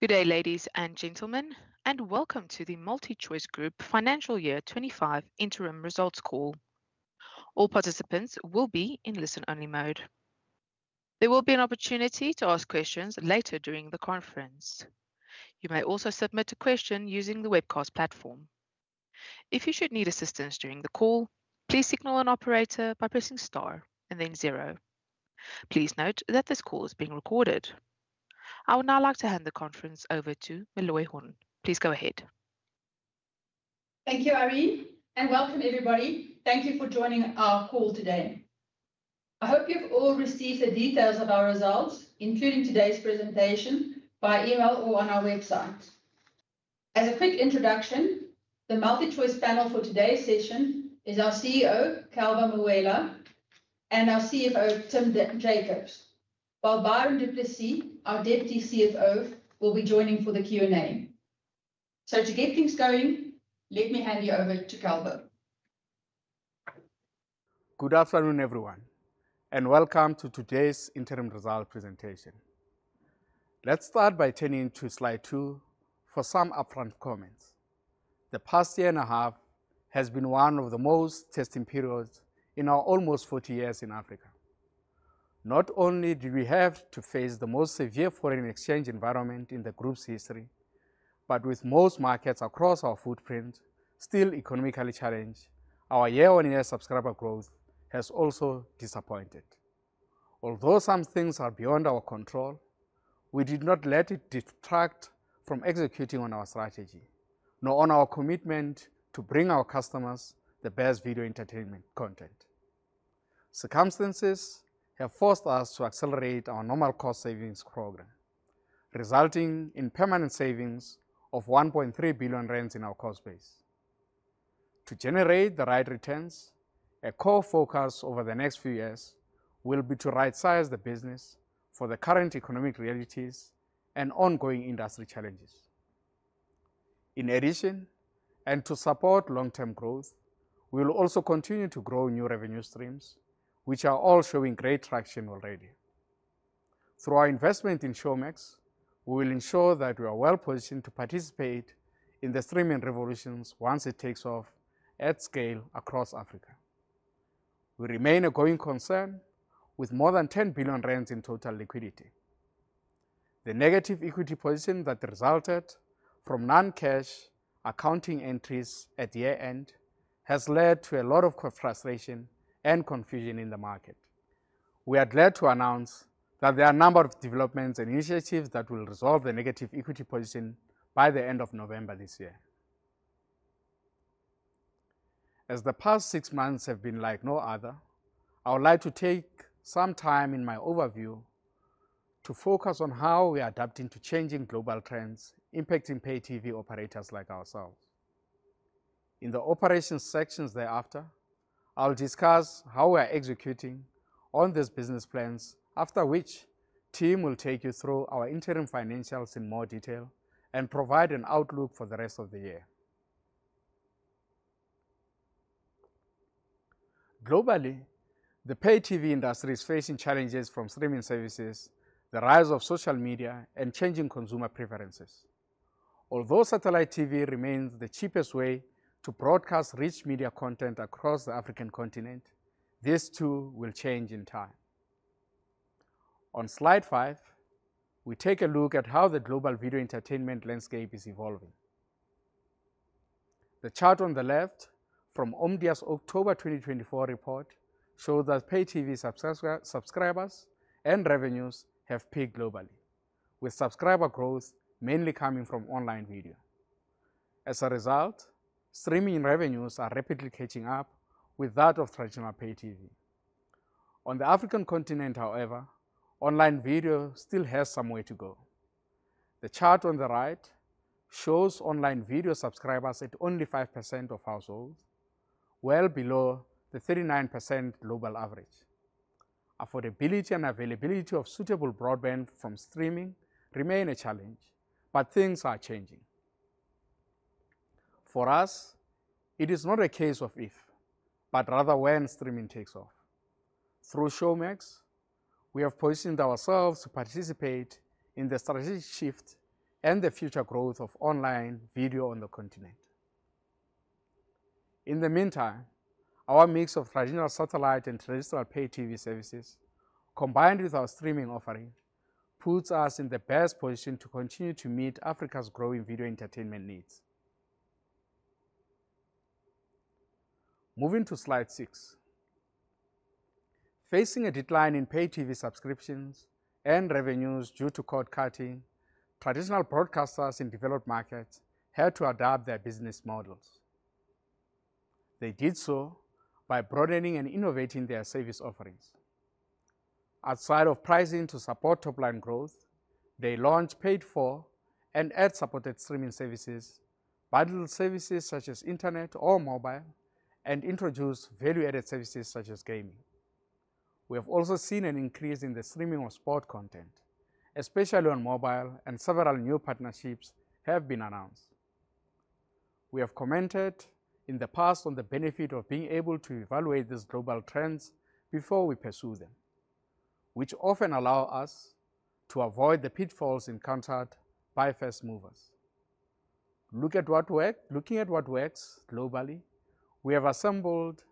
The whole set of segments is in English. Good day, ladies and gentlemen, and welcome to the MultiChoice Group Financial Year 25 Interim Results Call. All participants will be in listen-only mode. There will be an opportunity to ask questions later during the conference. You may also submit a question using the webcast platform. If you should need assistance during the call, please signal an operator by pressing star and then zero. Please note that this call is being recorded. I would now like to hand the conference over to Meloy Horn. Please go ahead. Thank you, Ari, and welcome, everybody. Thank you for joining our call today. I hope you've all received the details of our results, including today's presentation, by email or on our website. As a quick introduction, the MultiChoice Panel for today's session is our CEO, Calvo Mawela, and our CFO, Tim Jacobs, while Byron du Plessis, our Deputy CFO, will be joining for the Q&A. So, to get things going, let me hand you over to Calvo. Good afternoon, everyone, and welcome to today's interim results presentation. Let's start by turning to slide two for some upfront comments. The past year and a half has been one of the most testing periods in our almost 40 years in Africa. Not only did we have to face the most severe foreign exchange environment in the group's history, but with most markets across our footprint still economically challenged, our year-on-year subscriber growth has also disappointed. Although some things are beyond our control, we did not let it detract from executing on our strategy, nor on our commitment to bring our customers the best video entertainment content. Circumstances have forced us to accelerate our normal cost savings program, resulting in permanent savings of 1.3 billion rand in our cost base. To generate the right returns, a core focus over the next few years will be to right-size the business for the current economic realities and ongoing industry challenges. In addition, and to support long-term growth, we will also continue to grow new revenue streams, which are all showing great traction already. Through our investment in Showmax, we will ensure that we are well positioned to participate in the streaming revolutions once it takes off at scale across Africa. We remain a going concern with more than 10 billion rand in total liquidity. The negative equity position that resulted from non-cash accounting entries at year-end has led to a lot of frustration and confusion in the market. We are glad to announce that there are a number of developments and initiatives that will resolve the negative equity position by the end of November this year. As the past six months have been like no other, I would like to take some time in my overview to focus on how we are adapting to changing global trends impacting pay-TV operators like ourselves. In the operations sections thereafter, I'll discuss how we are executing on these business plans, after which Tim will take you through our interim financials in more detail and provide an outlook for the rest of the year. Globally, the pay-TV industry is facing challenges from streaming services, the rise of social media, and changing consumer preferences. Although satellite TV remains the cheapest way to broadcast rich media content across the African continent, these too will change in time. On slide five, we take a look at how the global video entertainment landscape is evolving. The chart on the left from Omdia's October 2024 report shows that pay-TV subscribers and revenues have peaked globally, with subscriber growth mainly coming from online video. As a result, streaming revenues are rapidly catching up with that of traditional pay-TV. On the African continent, however, online video still has some way to go. The chart on the right shows online video subscribers at only 5% of households, well below the 39% global average. Affordability and availability of suitable broadband from streaming remain a challenge, but things are changing. For us, it is not a case of if, but rather when streaming takes off. Through Showmax, we have positioned ourselves to participate in the strategic shift and the future growth of online video on the continent. In the meantime, our mix of traditional satellite and traditional pay-TV services, combined with our streaming offering, puts us in the best position to continue to meet Africa's growing video entertainment needs. Moving to slide six. Facing a decline in pay-TV subscriptions and revenues due to cord-cutting, traditional broadcasters in developed markets had to adapt their business models. They did so by broadening and innovating their service offerings. Outside of pricing to support top-line growth, they launched paid-for and ad-supported streaming services, bundled services such as internet or mobile, and introduced value-added services such as gaming. We have also seen an increase in the streaming of sports content, especially on mobile, and several new partnerships have been announced. We have commented in the past on the benefit of being able to evaluate these global trends before we pursue them, which often allow us to avoid the pitfalls encountered by fast movers. Looking at what works globally, we have assembled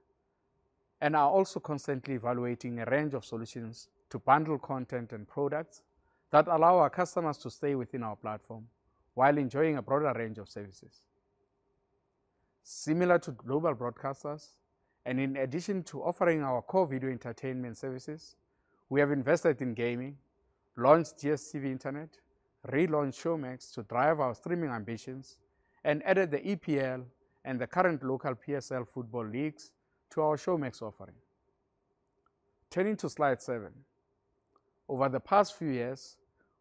and are also constantly evaluating a range of solutions to bundle content and products that allow our customers to stay within our platform while enjoying a broader range of services. Similar to global broadcasters, and in addition to offering our core video entertainment services, we have invested in gaming, launched DStv Internet, relaunched Showmax to drive our streaming ambitions, and added the EPL and the current local PSL football leagues to our Showmax offering. Turning to slide seven. Over the past few years,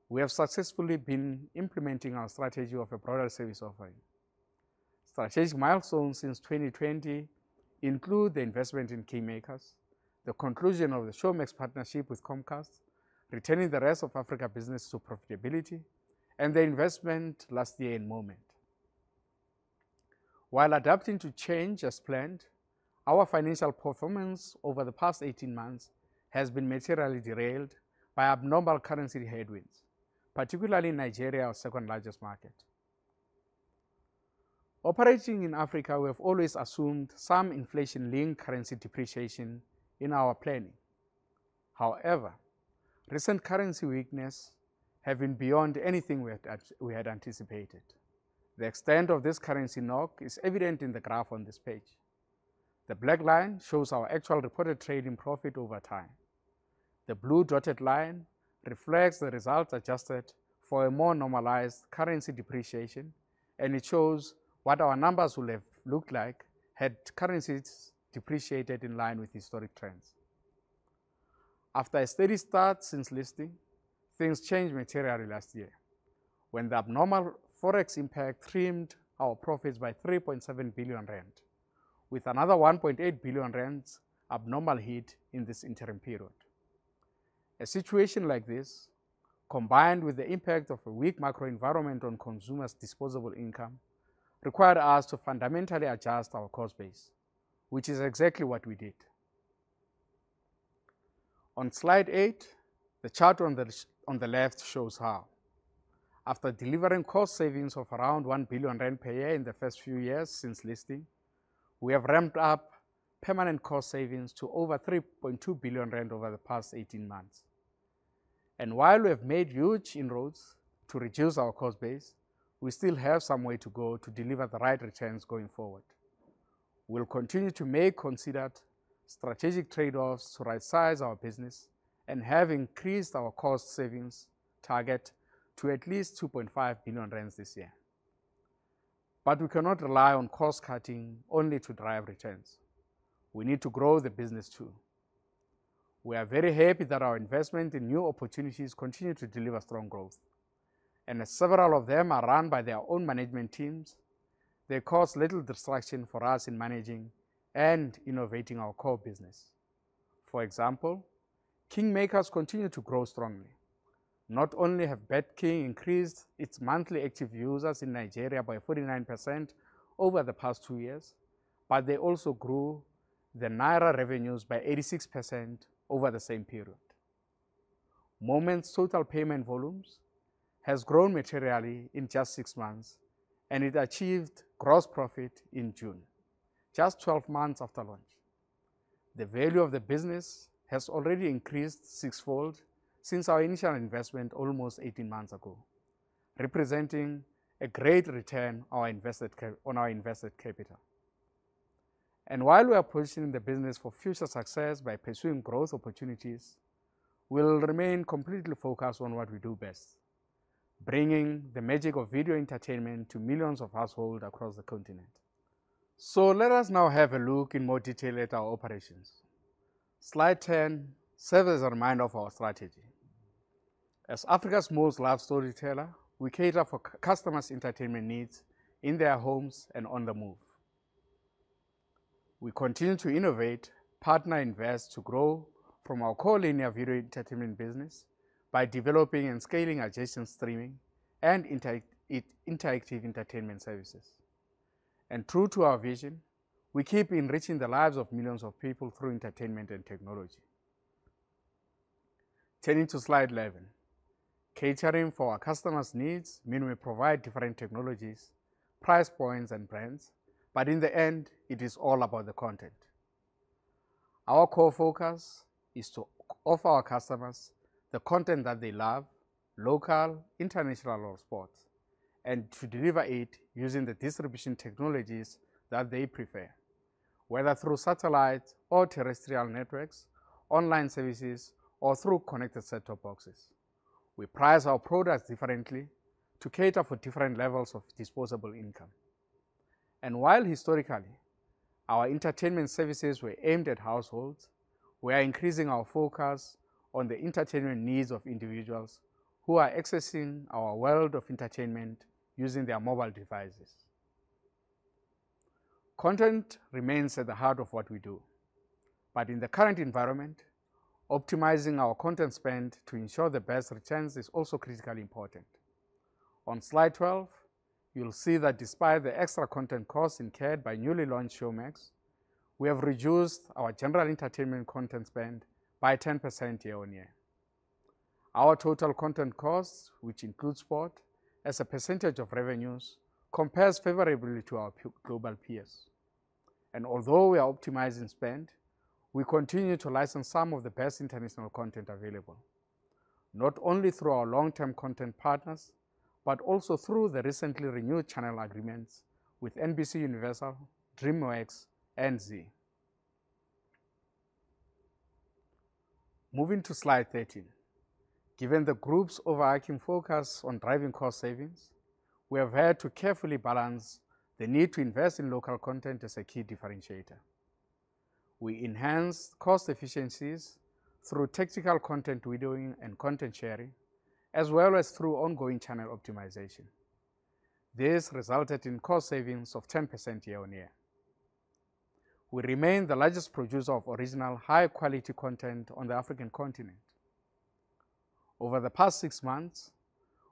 we have successfully been implementing our strategy of a broader service offering. Strategic milestones since 2020 include the investment in KingMakers, the conclusion of the Showmax partnership with Comcast, returning the Rest of Africa business to profitability, and the investment last year in Moment. While adapting to change as planned, our financial performance over the past 18 months has been materially derailed by abnormal currency headwinds, particularly Nigeria, our second largest market. Operating in Africa, we have always assumed some inflation-linked currency depreciation in our planning. However, recent currency weakness has been beyond anything we had anticipated. The extent of this currency knock is evident in the graph on this page. The black line shows our actual reported trading profit over time. The blue dotted line reflects the results adjusted for a more normalized currency depreciation, and it shows what our numbers would have looked like had currencies depreciated in line with historic trends. After a steady start since listing, things changed materially last year when the abnormal forex impact trimmed our profits by 3.7 billion rand, with another 1.8 billion rand abnormal hit in this interim period. A situation like this, combined with the impact of a weak macro environment on consumers' disposable income, required us to fundamentally adjust our cost base, which is exactly what we did. On slide eight, the chart on the left shows how. After delivering cost savings of around 1 billion rand per year in the first few years since listing, we have ramped up permanent cost savings to over 3.2 billion rand over the past 18 months. And while we have made huge inroads to reduce our cost base, we still have some way to go to deliver the right returns going forward. We'll continue to make considered strategic trade-offs to right-size our business and have increased our cost savings target to at least 2.5 billion rand this year. But we cannot rely on cost cutting only to drive returns. We need to grow the business too. We are very happy that our investment in new opportunities continues to deliver strong growth. And as several of them are run by their own management teams, they cause little distraction for us in managing and innovating our core business. For example, KingMakers continue to grow strongly. Not only have BetKing increased its monthly active users in Nigeria by 49% over the past two years, but they also grew the Naira revenues by 86% over the same period. Moment's total payment volumes have grown materially in just six months, and it achieved gross profit in June, just 12 months after launch. The value of the business has already increased sixfold since our initial investment almost 18 months ago, representing a great return on our invested capital, and while we are positioning the business for future success by pursuing growth opportunities, we'll remain completely focused on what we do best: bringing the magic of video entertainment to millions of households across the continent, so let us now have a look in more detail at our operations. Slide 10 serves as a reminder of our strategy. As Africa's most loved storyteller, we cater for customers' entertainment needs in their homes and on the move. We continue to innovate, partner, invest to grow from our core linear video entertainment business by developing and scaling adjacent streaming and interactive entertainment services, and true to our vision, we keep enriching the lives of millions of people through entertainment and technology. Turning to slide 11, catering for our customers' needs means we provide different technologies, price points, and brands, but in the end, it is all about the content. Our core focus is to offer our customers the content that they love, local, international, or sports, and to deliver it using the distribution technologies that they prefer, whether through satellite or terrestrial networks, online services, or through connected set-top boxes. We price our products differently to cater for different levels of disposable income. And while historically our entertainment services were aimed at households, we are increasing our focus on the entertainment needs of individuals who are accessing our world of entertainment using their mobile devices. Content remains at the heart of what we do. But in the current environment, optimizing our content spend to ensure the best returns is also critically important. On slide 12, you'll see that despite the extra content costs incurred by newly launched Showmax, we have reduced our general entertainment content spend by 10% year-on-year. Our total content costs, which includes sport, as a percentage of revenues, compares favorably to our global peers, and although we are optimizing spend, we continue to license some of the best international content available, not only through our long-term content partners, but also through the recently renewed channel agreements with NBCUniversal, DreamWorks, and Zee. Moving to slide 13. Given the group's overarching focus on driving cost savings, we have had to carefully balance the need to invest in local content as a key differentiator. We enhanced cost efficiencies through tactical content windowing and content sharing, as well as through ongoing channel optimization. This resulted in cost savings of 10% year-on-year. We remain the largest producer of original, high-quality content on the African continent. Over the past six months,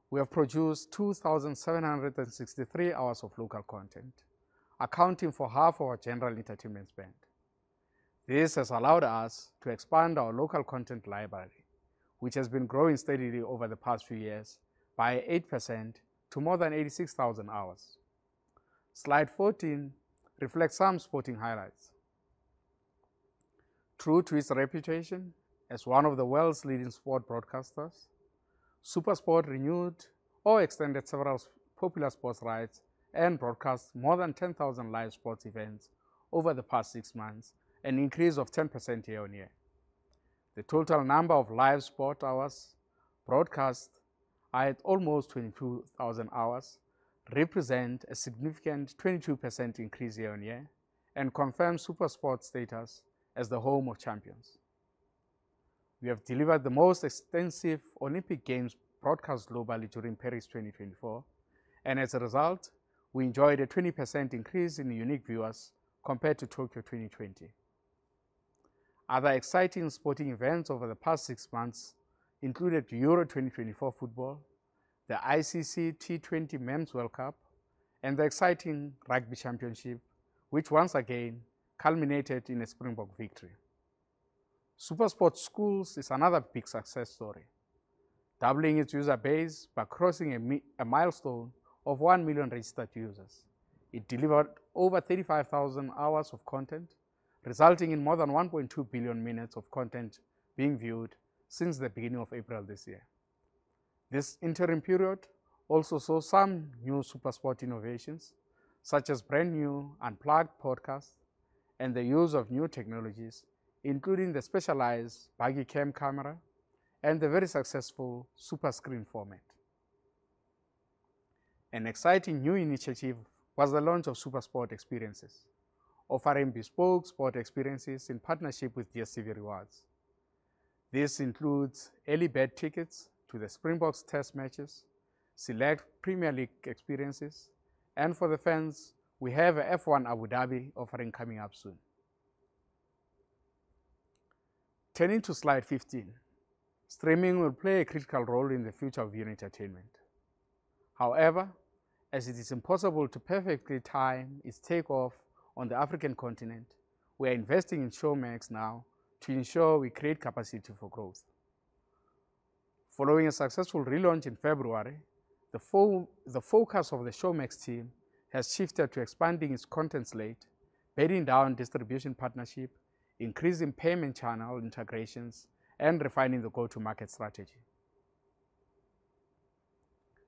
we have produced 2,763 hours of local content, accounting for half of our general entertainment spend. This has allowed us to expand our local content library, which has been growing steadily over the past few years by 8% to more than 86,000 hours. Slide 14 reflects some sporting highlights. True to its reputation as one of the world's leading sport broadcasters, SuperSport renewed or extended several popular sports rights and broadcast more than 10,000 live sports events over the past six months, an increase of 10% year-on-year. The total number of live sport hours broadcast, at almost 22,000 hours, represents a significant 22% increase year-on-year and confirms SuperSport's status as the home of champions. We have delivered the most extensive Olympic Games broadcast globally during Paris 2024, and as a result, we enjoyed a 20% increase in unique viewers compared to Tokyo 2020. Other exciting sporting events over the past six months included Euro 2024 football, the ICC T20 Men's World Cup, and the exciting Rugby Championship, which once again culminated in a Springbok victory. SuperSport Schools is another big success story. Doubling its user base by crossing a milestone of 1 million registered users, it delivered over 35,000 hours of content, resulting in more than 1.2 billion minutes of content being viewed since the beginning of April this year. This interim period also saw some new SuperSport innovations, such as brand new Unplugged podcasts and the use of new technologies, including the specialized Buggy Cam camera and the very successful SuperScreen format. An exciting new initiative was the launch of SuperSport Experiences, offering bespoke sport experiences in partnership with DStv Rewards. This includes early bird tickets to the Springboks' test matches, select Premier League experiences, and for the fans, we have an F1 Abu Dhabi offering coming up soon. Turning to slide 15, streaming will play a critical role in the future of video entertainment. However, as it is impossible to perfectly time its takeoff on the African continent, we are investing in Showmax now to ensure we create capacity for growth. Following a successful relaunch in February, the focus of the Showmax team has shifted to expanding its content slate, building out distribution partnerships, increasing payment channel integrations, and refining the go-to-market strategy.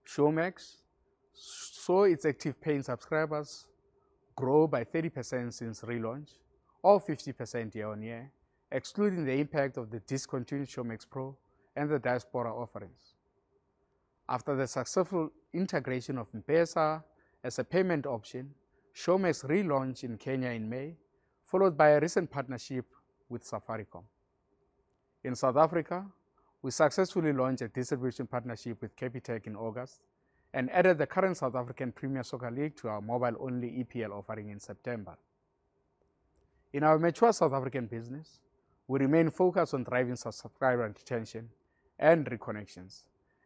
Showmax saw its active paying subscribers grow by 30% since relaunch or 50% year-on-year, excluding the impact of the discontinued Showmax Pro and the diaspora offerings. After the successful integration of M-PESA as a payment option, Showmax relaunched in Kenya in May, followed by a recent partnership with Safaricom. In South Africa, we successfully launched a distribution partnership with Capitec in August and added the current South African Premier Soccer League to our mobile-only EPL offering in September. In our mature South African business, we remain focused on driving subscriber retention and reconnections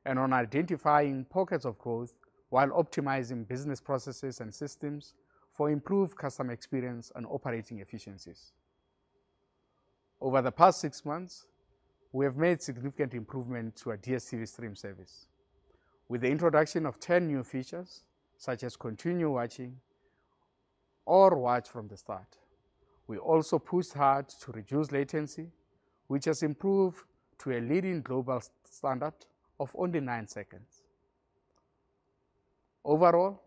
and on identifying pockets of growth while optimizing business processes and systems for improved customer experience and operating efficiencies. Over the past six months, we have made significant improvements to our DStv Stream service. With the introduction of 10 new features, such as continue watching or watch from the start, we also pushed hard to reduce latency, which has improved to a leading global standard of only nine seconds. Overall,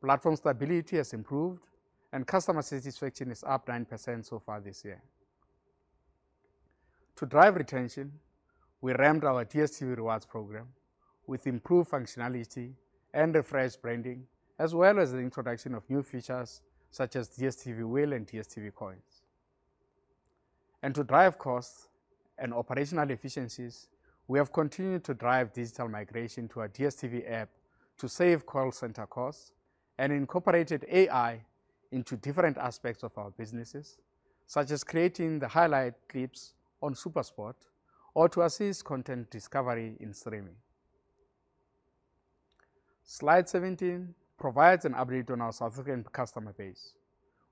platform stability has improved, and customer satisfaction is up 9% so far this year. To drive retention, we ramped our DStv Rewards program with improved functionality and refreshed branding, as well as the introduction of new features such as DStv Wheel and DStv Coins, and to drive costs and operational efficiencies, we have continued to drive digital migration to our DStv app to save call center costs and incorporated AI into different aspects of our businesses, such as creating the highlight clips on SuperSport or to assist content discovery in streaming. Slide 17 provides an update on our South African customer base,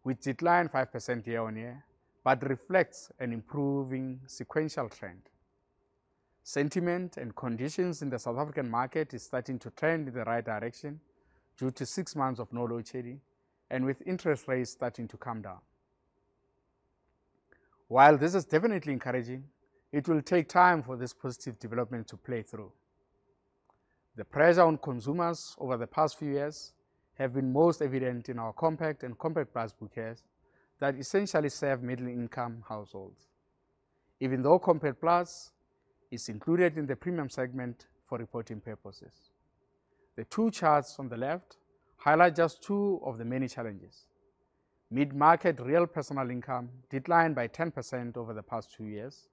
which declined 5% year-on-year, but reflects an improving sequential trend. Sentiment and conditions in the South African market are starting to trend in the right direction due to six months of load shedding and with interest rates starting to come down. While this is definitely encouraging, it will take time for this positive development to play through. The pressure on consumers over the past few years has been most evident in our Compact and Compact Plus bouquet that essentially serve middle-income households, even though compact-plus is included in the premium segment for reporting purposes. The two charts on the left highlight just two of the main challenges: mid-market real personal income declined by 10% over the past two years,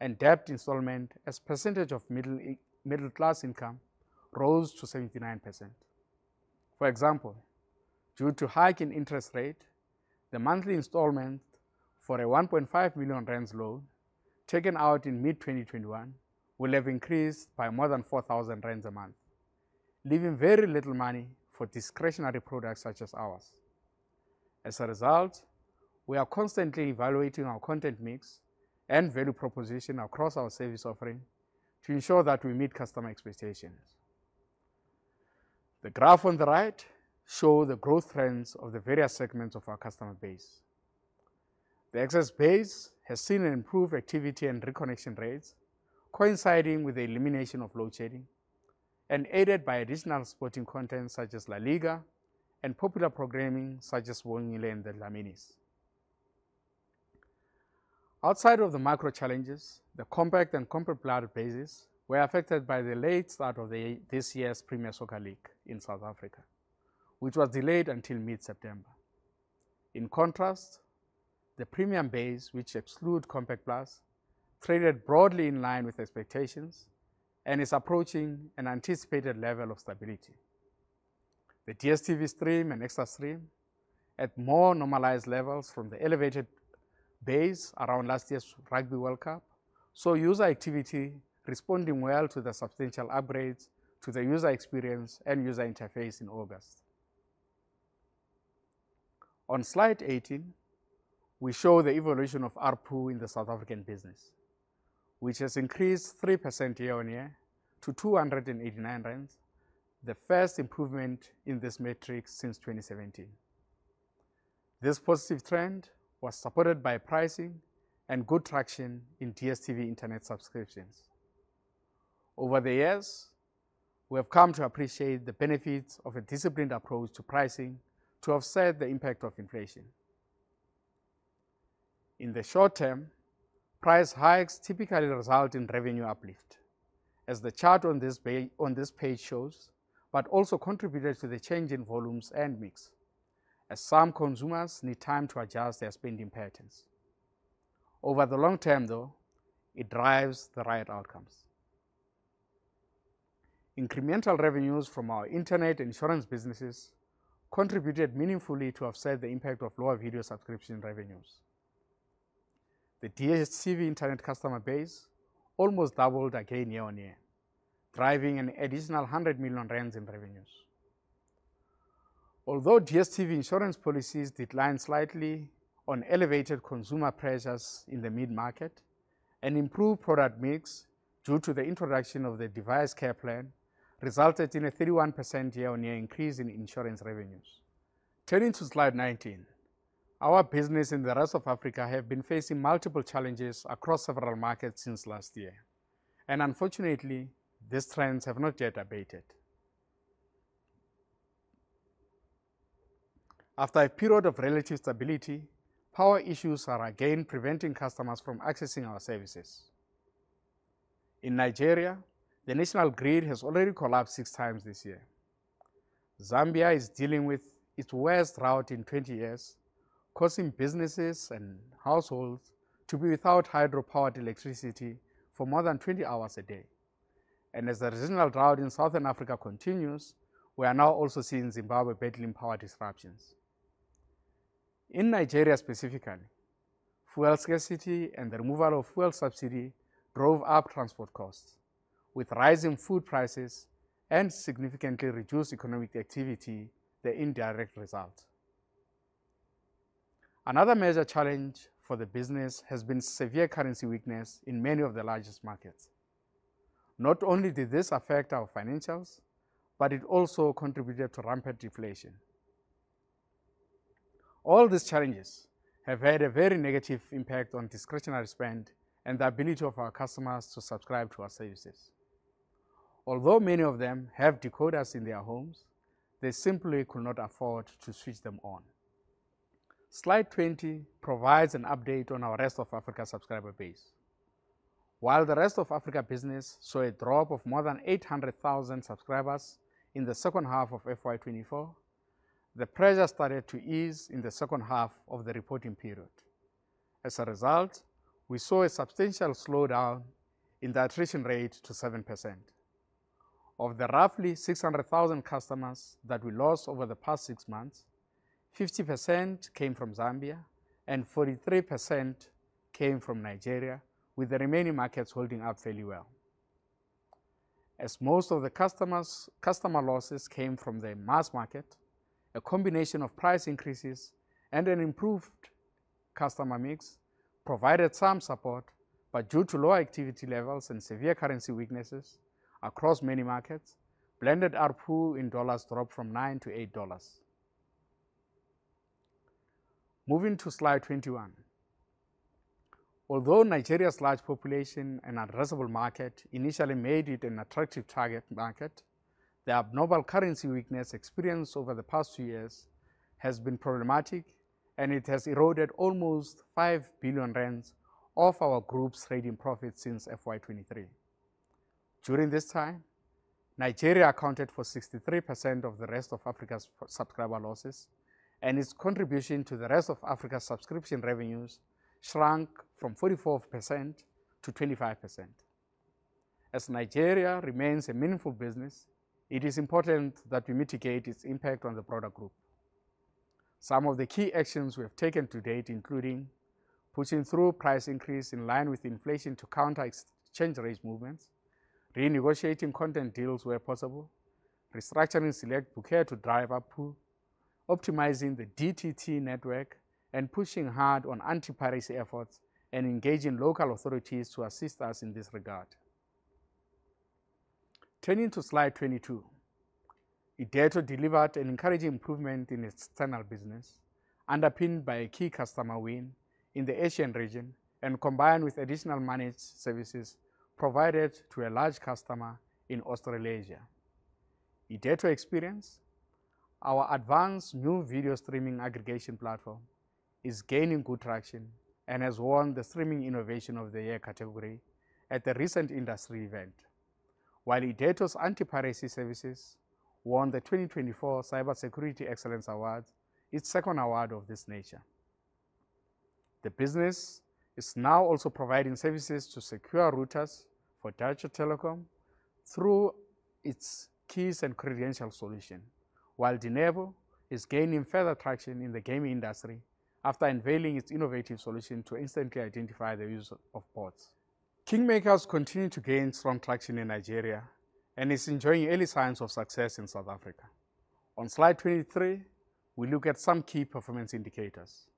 and debt installment as a percentage of middle-class income rose to 79%. For example, due to hiking interest rates, the monthly installment for a 1.5 million loan taken out in mid-2021 will have increased by more than 4,000 rand a month, leaving very little money for discretionary products such as ours. As a result, we are constantly evaluating our content mix and value proposition across our service offering to ensure that we meet customer expectations. The graph on the right shows the growth trends of the various segments of our customer base. The Access base has seen an improved activity and reconnection rates, coinciding with the elimination of load shedding, and aided by additional sporting content such as La Liga and popular programming such as Sibongile & The Dlaminis. Outside of the macro challenges, the Compact and Compact Plus bases were affected by the late start of this year's Premier Soccer League in South Africa, which was delayed until mid-September. In contrast, the Premium base, which excludes compact-plus, traded broadly in line with expectations and is approaching an anticipated level of stability. The DStv Stream and Explora Stream at more normalized levels from the elevated base around last year's Rugby World Cup saw user activity responding well to the substantial upgrades to the user experience and user interface in August. On slide 18, we show the evolution of ARPU in the South African business, which has increased 3% year on year to 289 rand, the first improvement in this metric since 2017. This positive trend was supported by pricing and good traction in DStv Internet subscriptions. Over the years, we have come to appreciate the benefits of a disciplined approach to pricing to offset the impact of inflation. In the short term, price hikes typically result in revenue uplift, as the chart on this page shows, but also contributed to the change in volumes and mix, as some consumers need time to adjust their spending patterns. Over the long term, though, it drives the right outcomes. Incremental revenues from our Internet and Insurance businesses contributed meaningfully to offset the impact of lower video subscription revenues. The DStv internet customer base almost doubled again year-on-year, driving an additional 100 million rand in revenues. Although DStv Insurance policies declined slightly on elevated consumer pressures in the mid-market, an improved product mix due to the introduction of the Device Care plan resulted in a 31% year-on-year increase in insurance revenues. Turning to slide 19, our business in the Rest of Africa has been facing multiple challenges across several markets since last year, and unfortunately, these trends have not yet abated. After a period of relative stability, power issues are again preventing customers from accessing our services. In Nigeria, the national grid has already collapsed six times this year. Zambia is dealing with its worst drought in 20 years, causing businesses and households to be without hydropowered electricity for more than 20 hours a day, and as the regional drought in Southern Africa continues, we are now also seeing Zimbabwe battling power disruptions. In Nigeria specifically, fuel scarcity and the removal of fuel subsidy drove up transport costs, with rising food prices and significantly reduced economic activity as the indirect result. Another major challenge for the business has been severe currency weakness in many of the largest markets. Not only did this affect our financials, but it also contributed to rampant deflation. All these challenges have had a very negative impact on discretionary spend and the ability of our customers to subscribe to our services. Although many of them have decoders in their homes, they simply could not afford to switch them on. Slide 20 provides an update on our Rest of Africa subscriber base. While the Rest of Africa business saw a drop of more than 800,000 subscribers in the second half of FY 2024, the pressure started to ease in the second half of the reporting period. As a result, we saw a substantial slowdown in the attrition rate to 7%. Of the roughly 600,000 customers that we lost over the past six months, 50% came from Zambia and 43% came from Nigeria, with the remaining markets holding up fairly well. As most of the customer losses came from the mass market, a combination of price increases and an improved customer mix provided some support, but due to low activity levels and severe currency weaknesses across many markets, blended ARPU in dollars dropped from $9 to $8. Moving to slide 21. Although Nigeria's large population and addressable market initially made it an attractive target market, the abnormal currency weakness experienced over the past two years has been problematic, and it has eroded almost 5 billion rand of our group's trading profits since FY 2023. During this time, Nigeria accounted for 63% of the Rest of Africa's subscriber losses, and its contribution to the Rest of Africa's subscription revenues shrank from 44% to 25%. As Nigeria remains a meaningful business, it is important that we mitigate its impact on the broader group. Some of the key actions we have taken to date, including pushing through price increase in line with inflation to counter exchange rate movements, renegotiating content deals where possible, restructuring select bouquet to drive ARPU, optimizing the DTT network, and pushing hard on anti-piracy efforts and engaging local authorities to assist us in this regard. Turning to slide 22, Irdeto delivered an encouraging improvement in external business, underpinned by a key customer win in the Asian region and combined with additional managed services provided to a large customer in Australasia. Irdeto Experience, our advanced new video streaming aggregation platform, is gaining good traction and has won the Streaming Innovation of the Year category at the recent industry event, while Irdeto's anti-piracy services won the 2024 Cybersecurity Excellence Award, its second award of this nature. The business is now also providing services to secure routers for Deutsche Telekom through its Keys & Credentials solution, while Denuvo is gaining further traction in the gaming industry after unveiling its innovative solution to instantly identify the use of ports. KingMakers continue to gain strong traction in Nigeria and is enjoying early signs of success in South Africa. On slide 23, we look at some key performance indicators.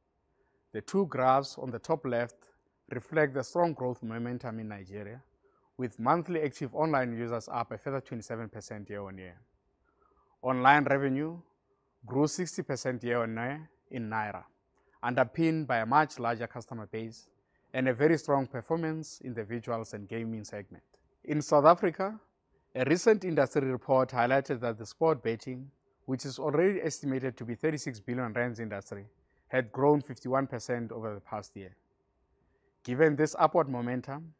The two graphs on the top left reflect the strong growth momentum in Nigeria, with monthly active online users up a further 27% year-on-year. Online revenue grew 60% year-on-year in Naira, underpinned by a much larger customer base and a very strong performance in the visuals and gaming segment. In South Africa, a recent industry report highlighted that the sports betting, which is already estimated to be a 36 billion rand industry, had grown 51% over the past year. Given this upward momentum,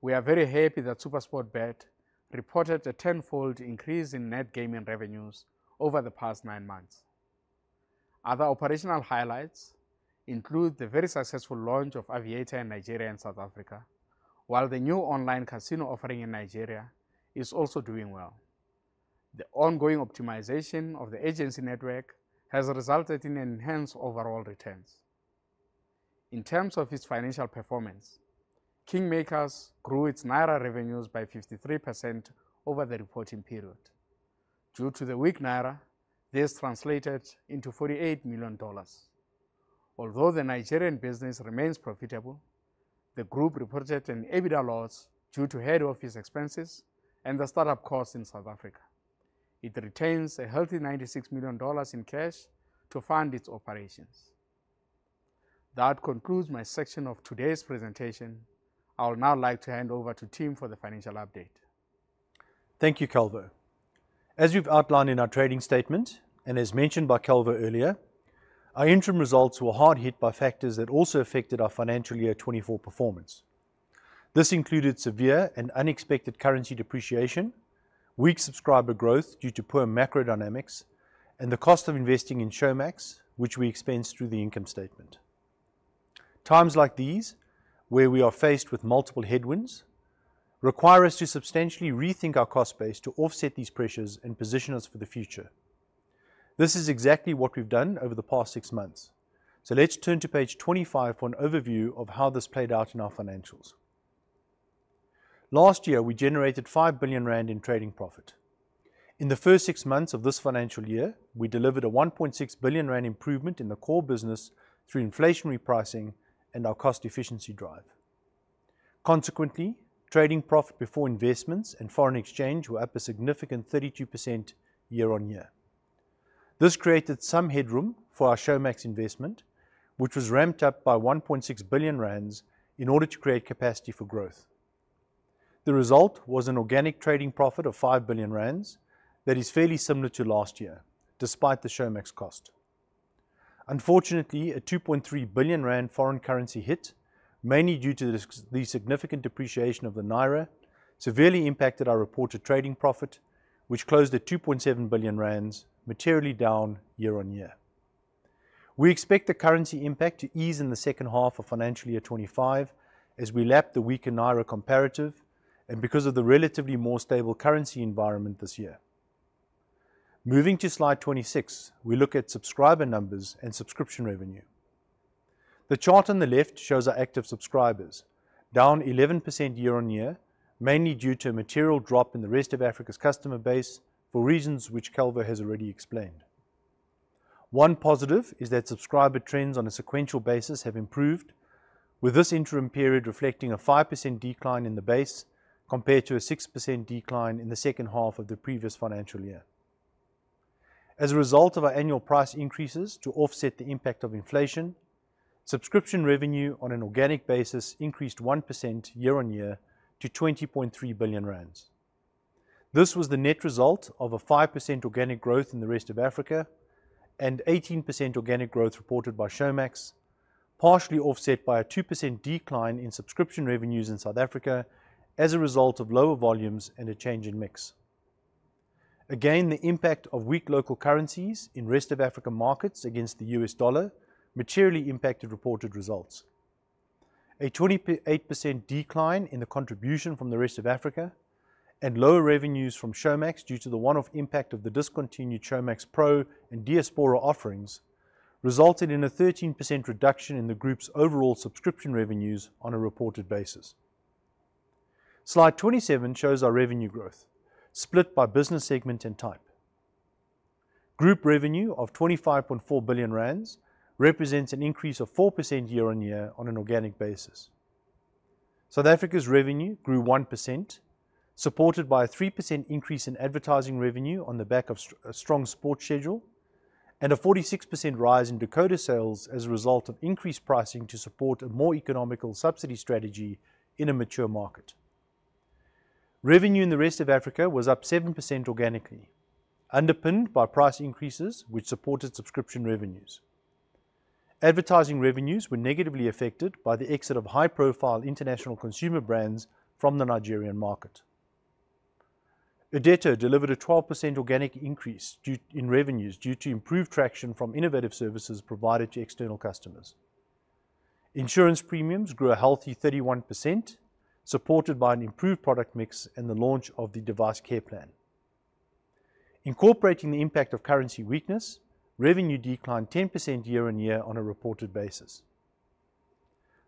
we are very happy that SuperSport Bet reported a tenfold increase in net gaming revenues over the past nine months. Other operational highlights include the very successful launch of Aviator in Nigeria and South Africa, while the new online casino offering in Nigeria is also doing well. The ongoing optimization of the agency network has resulted in enhanced overall returns. In terms of its financial performance, KingMakers grew its Naira revenues by 53% over the reporting period. Due to the weak Naira, this translated into $48 million. Although the Nigerian business remains profitable, the group reported an EBITDA loss due to head office expenses and the startup costs in South Africa. It retains a healthy $96 million in cash to fund its operations. That concludes my section of today's presentation. I would now like to hand over to Tim for the financial update. Thank you, Calvo. As we've outlined in our trading statement and as mentioned by Calvo earlier, our interim results were hard hit by factors that also affected our financial year 2024 performance. This included severe and unexpected currency depreciation, weak subscriber growth due to poor macro dynamics, and the cost of investing in Showmax, which we expense through the income statement. Times like these, where we are faced with multiple headwinds, require us to substantially rethink our cost base to offset these pressures and position us for the future. This is exactly what we've done over the past six months. So let's turn to page 25 for an overview of how this played out in our financials. Last year, we generated 5 billion rand in trading profit. In the first six months of this financial year, we delivered a 1.6 billion rand improvement in the core business through inflationary pricing and our cost efficiency drive. Consequently, trading profit before investments and foreign exchange were up a significant 32% year-on-year. This created some headroom for our Showmax investment, which was ramped up by 1.6 billion rand in order to create capacity for growth. The result was an organic trading profit of 5 billion rand that is fairly similar to last year, despite the Showmax cost. Unfortunately, a 2.3 billion rand foreign currency hit, mainly due to the significant depreciation of the Naira, severely impacted our reported trading profit, which closed at 2.7 billion rand, materially down year-on-year. We expect the currency impact to ease in the second half of financial year 2025 as we lap the weaker Naira comparative and because of the relatively more stable currency environment this year. Moving to slide 26, we look at subscriber numbers and subscription revenue. The chart on the left shows our active subscribers, down 11% year-on-year, mainly due to a material drop in the Rest of Africa's customer base for reasons which Calvo has already explained. One positive is that subscriber trends on a sequential basis have improved, with this interim period reflecting a 5% decline in the base compared to a 6% decline in the second half of the previous financial year. As a result of our annual price increases to offset the impact of inflation, subscription revenue on an organic basis increased 1% year-on-year to 20.3 billion rand. This was the net result of a 5% organic growth in the Rest of Africa and 18% organic growth reported by Showmax, partially offset by a 2% decline in subscription revenues in South Africa as a result of lower volumes and a change in mix. Again, the impact of weak local currencies in Rest of Africa markets against the U.S. dollar materially impacted reported results. A 28% decline in the contribution from the Rest of Africa and lower revenues from Showmax due to the one-off impact of the discontinued Showmax Pro and Diaspora offerings resulted in a 13% reduction in the group's overall subscription revenues on a reported basis. Slide 27 shows our revenue growth, split by business segment and type. Group revenue of 25.4 billion rand represents an increase of 4% year-on-year on an organic basis. South Africa's revenue grew 1%, supported by a 3% increase in advertising revenue on the back of a strong sports schedule and a 46% rise in decoder sales as a result of increased pricing to support a more economical subsidy strategy in a mature market. Revenue in the Rest of Africa was up 7% organically, underpinned by price increases which supported subscription revenues. Advertising revenues were negatively affected by the exit of high-profile international consumer brands from the Nigerian market. Irdeto delivered a 12% organic increase in revenues due to improved traction from innovative services provided to external customers. Insurance premiums grew a healthy 31%, supported by an improved product mix and the launch of the Device Care plan. Incorporating the impact of currency weakness, revenue declined 10% year-on-year on a reported basis.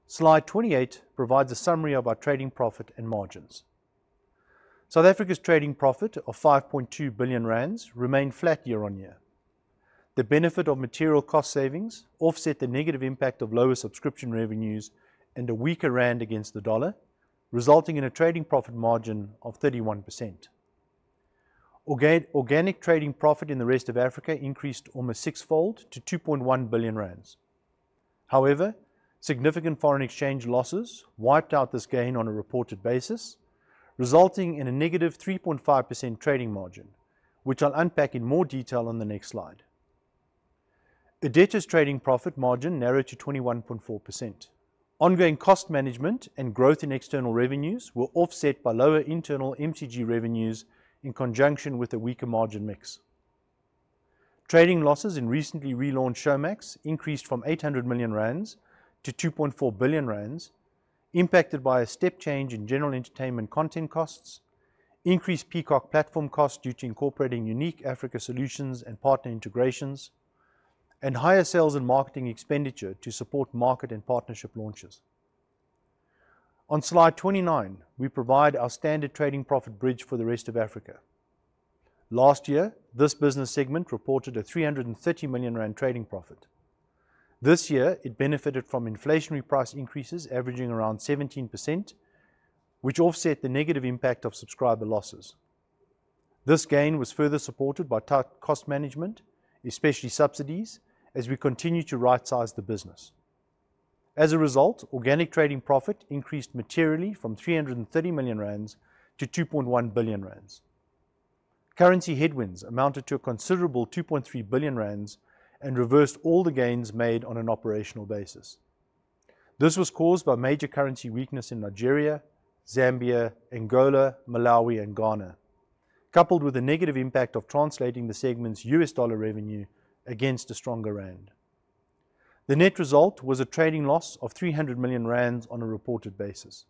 Slide 28 provides a summary of our trading profit and margins. South Africa's trading profit of 5.2 billion rand remained flat year-on-year. The benefit of material cost savings offset the negative impact of lower subscription revenues and a weaker rand against the dollar, resulting in a trading profit margin of 31%. Organic trading profit in the Rest of Africa increased almost sixfold to 2.1 billion rand. However, significant foreign exchange losses wiped out this gain on a reported basis, resulting in a -3.5% trading margin, which I'll unpack in more detail on the next slide. Irdeto's trading profit margin narrowed to 21.4%. Ongoing cost management and growth in external revenues were offset by lower internal MCG revenues in conjunction with a weaker margin mix. Trading losses in recently relaunched Showmax increased from 800 million rand to 2.4 billion rand, impacted by a step change in general entertainment content costs, increased Peacock platform costs due to incorporating unique Africa solutions and partner integrations, and higher sales and marketing expenditure to support market and partnership launches. On slide 29, we provide our standard trading profit bridge for the Rest of Africa. Last year, this business segment reported a 330 million rand trading profit. This year, it benefited from inflationary price increases averaging around 17%, which offset the negative impact of subscriber losses. This gain was further supported by cost management, especially subsidies, as we continue to right-size the business. As a result, organic trading profit increased materially from 330 million rand to 2.1 billion rand. Currency headwinds amounted to a considerable 2.3 billion rand and reversed all the gains made on an operational basis. This was caused by major currency weakness in Nigeria, Zambia, Angola, Malawi, and Ghana, coupled with the negative impact of translating the segment's USD revenue against a stronger rand. The net result was a trading loss of 300 million rand on a reported basis.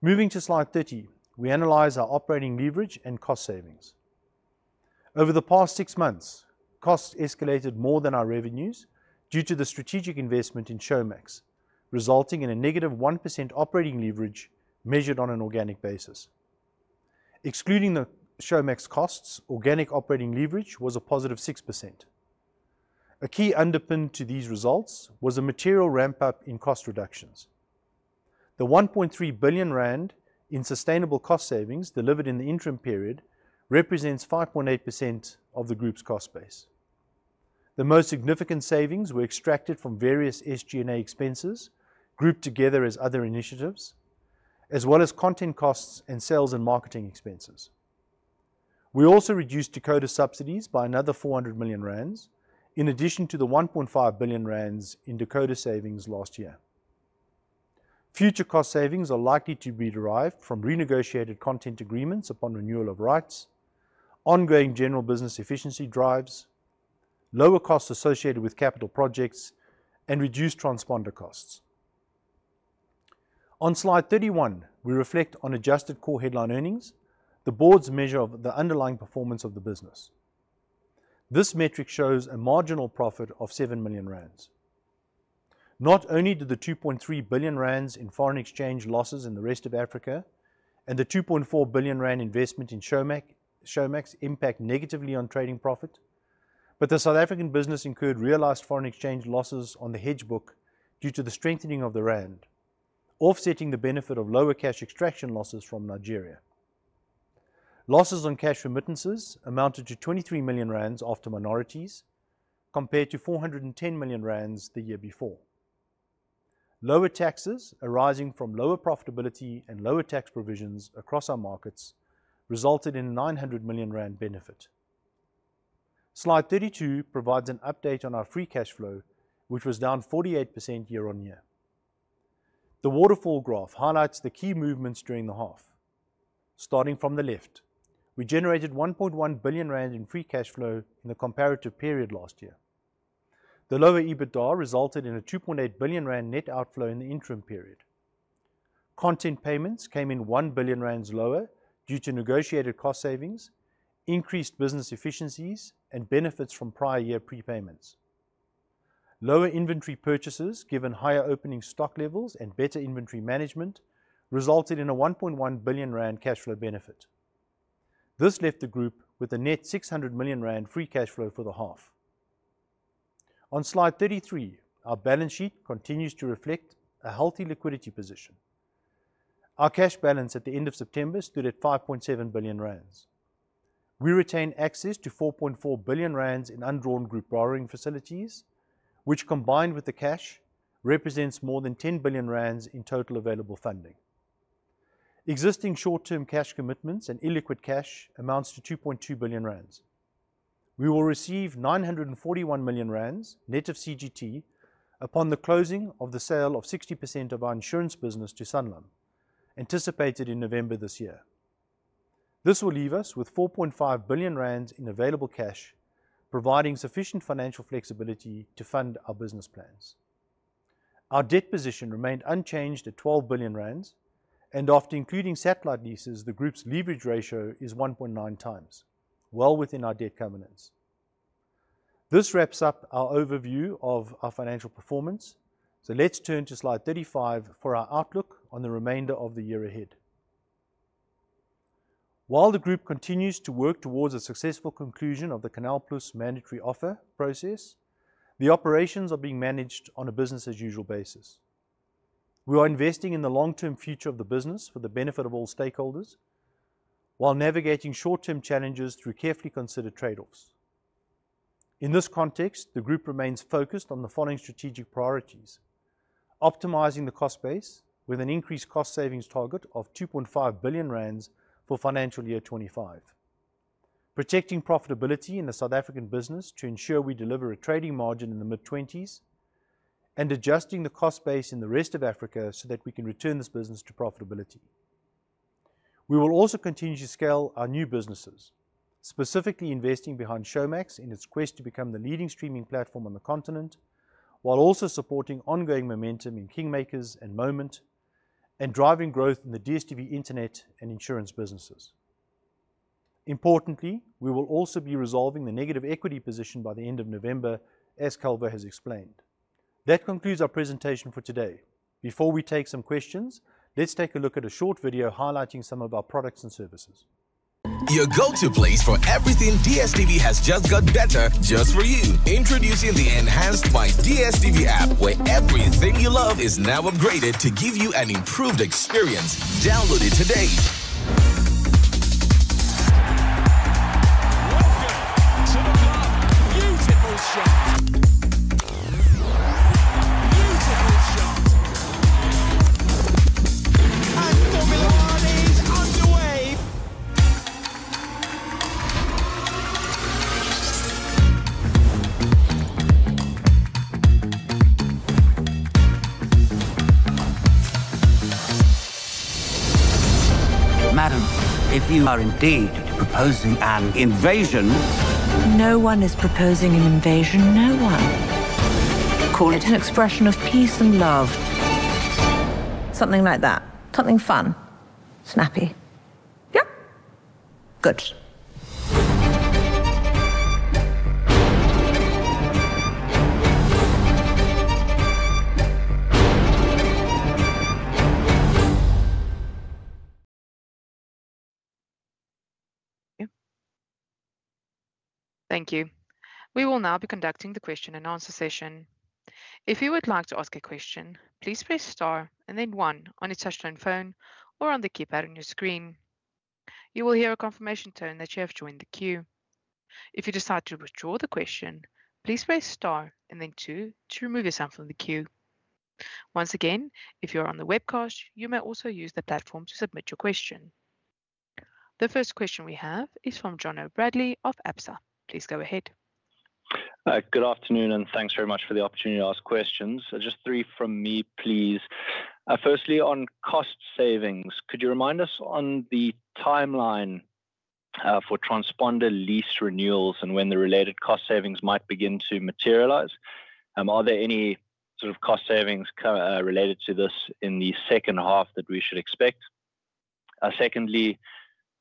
Moving to slide 30, we analyze our operating leverage and cost savings. Over the past six months, costs escalated more than our revenues due to the strategic investment in Showmax, resulting in a negative 1% operating leverage measured on an organic basis. Excluding the Showmax costs, organic operating leverage was a positive 6%. A key underpin to these results was a material ramp-up in cost reductions. The 1.3 billion rand in sustainable cost savings delivered in the interim period represents 5.8% of the group's cost base. The most significant savings were extracted from various SG&A expenses grouped together as other initiatives, as well as content costs and sales and marketing expenses. We also reduced decoder subsidies by another 400 million rand, in addition to the 1.5 billion rand in decoder savings last year. Future cost savings are likely to be derived from renegotiated content agreements upon renewal of rights, ongoing general business efficiency drives, lower costs associated with capital projects, and reduced transponder costs. On slide 31, we reflect on adjusted core headline earnings, the board's measure of the underlying performance of the business. This metric shows a marginal profit of 7 million rand. Not only did the 2.3 billion rand in foreign exchange losses in the Rest of Africa and the 2.4 billion rand investment in Showmax impact negatively on trading profit, but the South African business incurred realized foreign exchange losses on the hedge book due to the strengthening of the rand, offsetting the benefit of lower cash extraction losses from Nigeria. Losses on cash remittances amounted to 23 million rand after minorities, compared to 410 million rand the year before. Lower taxes arising from lower profitability and lower tax provisions across our markets resulted in a 900 million rand benefit. Slide 32 provides an update on our free cash flow, which was down 48% year-on-year. The waterfall graph highlights the key movements during the half. Starting from the left, we generated 1.1 billion rand in free cash flow in the comparative period last year. The lower EBITDA resulted in a 2.8 billion rand net outflow in the interim period. Content payments came in 1 billion rand lower due to negotiated cost savings, increased business efficiencies, and benefits from prior year prepayments. Lower inventory purchases, given higher opening stock levels and better inventory management, resulted in a 1.1 billion rand cash flow benefit. This left the group with a net 600 million rand free cash flow for the half. On slide 33, our balance sheet continues to reflect a healthy liquidity position. Our cash balance at the end of September stood at 5.7 billion rand. We retained access to 4.4 billion rand in undrawn group borrowing facilities, which combined with the cash represents more than 10 billion rand in total available funding. Existing short-term cash commitments and illiquid cash amounts to 2.2 billion rand. We will receive 941 million rand, net of CGT, upon the closing of the sale of 60% of our insurance business to Sanlam, anticipated in November this year. This will leave us with 4.5 billion rand in available cash, providing sufficient financial flexibility to fund our business plans. Our debt position remained unchanged at 12 billion rand, and after including satellite leases, the group's leverage ratio is 1.9x, well within our debt covenants. This wraps up our overview of our financial performance, so let's turn to slide 35 for our outlook on the remainder of the year ahead. While the group continues to work towards a successful conclusion of the CANAL+ mandatory offer process, the operations are being managed on a business-as-usual basis. We are investing in the long-term future of the business for the benefit of all stakeholders, while navigating short-term challenges through carefully considered trade-offs. In this context, the group remains focused on the following strategic priorities: optimizing the cost base with an increased cost savings target of 2.5 billion rand for financial year 2025, protecting profitability in the South African business to ensure we deliver a trading margin in the mid-20s%, and adjusting the cost base in the Rest of Africa so that we can return this business to profitability. We will also continue to scale our new businesses, specifically investing behind Showmax in its quest to become the leading streaming platform on the continent, while also supporting ongoing momentum in KingMakers and Moment, and driving growth in the DStv Internet and insurance businesses. Importantly, we will also be resolving the negative equity position by the end of November, as Calvo has explained. That concludes our presentation for today. Before we take some questions, let's take a look at a short video highlighting some of our products and services. Your go-to place for everything DStv has just got better, just for you. Introducing the Enhanced by DStv app, where everything you love is now upgraded to give you an improved experience. Download it today. Welcome to the Club Music. Music Music. Madam, if you are indeed proposing an invasion... No one is proposing an invasion, no one. Call it an expression of peace and love. Something like that. Something fun. Snappy. Yep. Good. Thank you. We will now be conducting the question and answer session. If you would like to ask a question, please press star and then one on your touchscreen phone or on the keypad on your screen. You will hear a confirmation tone that you have joined the queue. If you decide to withdraw the question, please press star and then two to remove yourself from the queue. Once again, if you are on the webcast, you may also use the platform to submit your question. The first question we have is from Jono Bradley of Absa. Please go ahead. Good afternoon and thanks very much for the opportunity to ask questions. Just three from me, please. Firstly, on cost savings, could you remind us on the timeline for transponder lease renewals and when the related cost savings might begin to materialize? Are there any sort of cost savings related to this in the second half that we should expect? Secondly,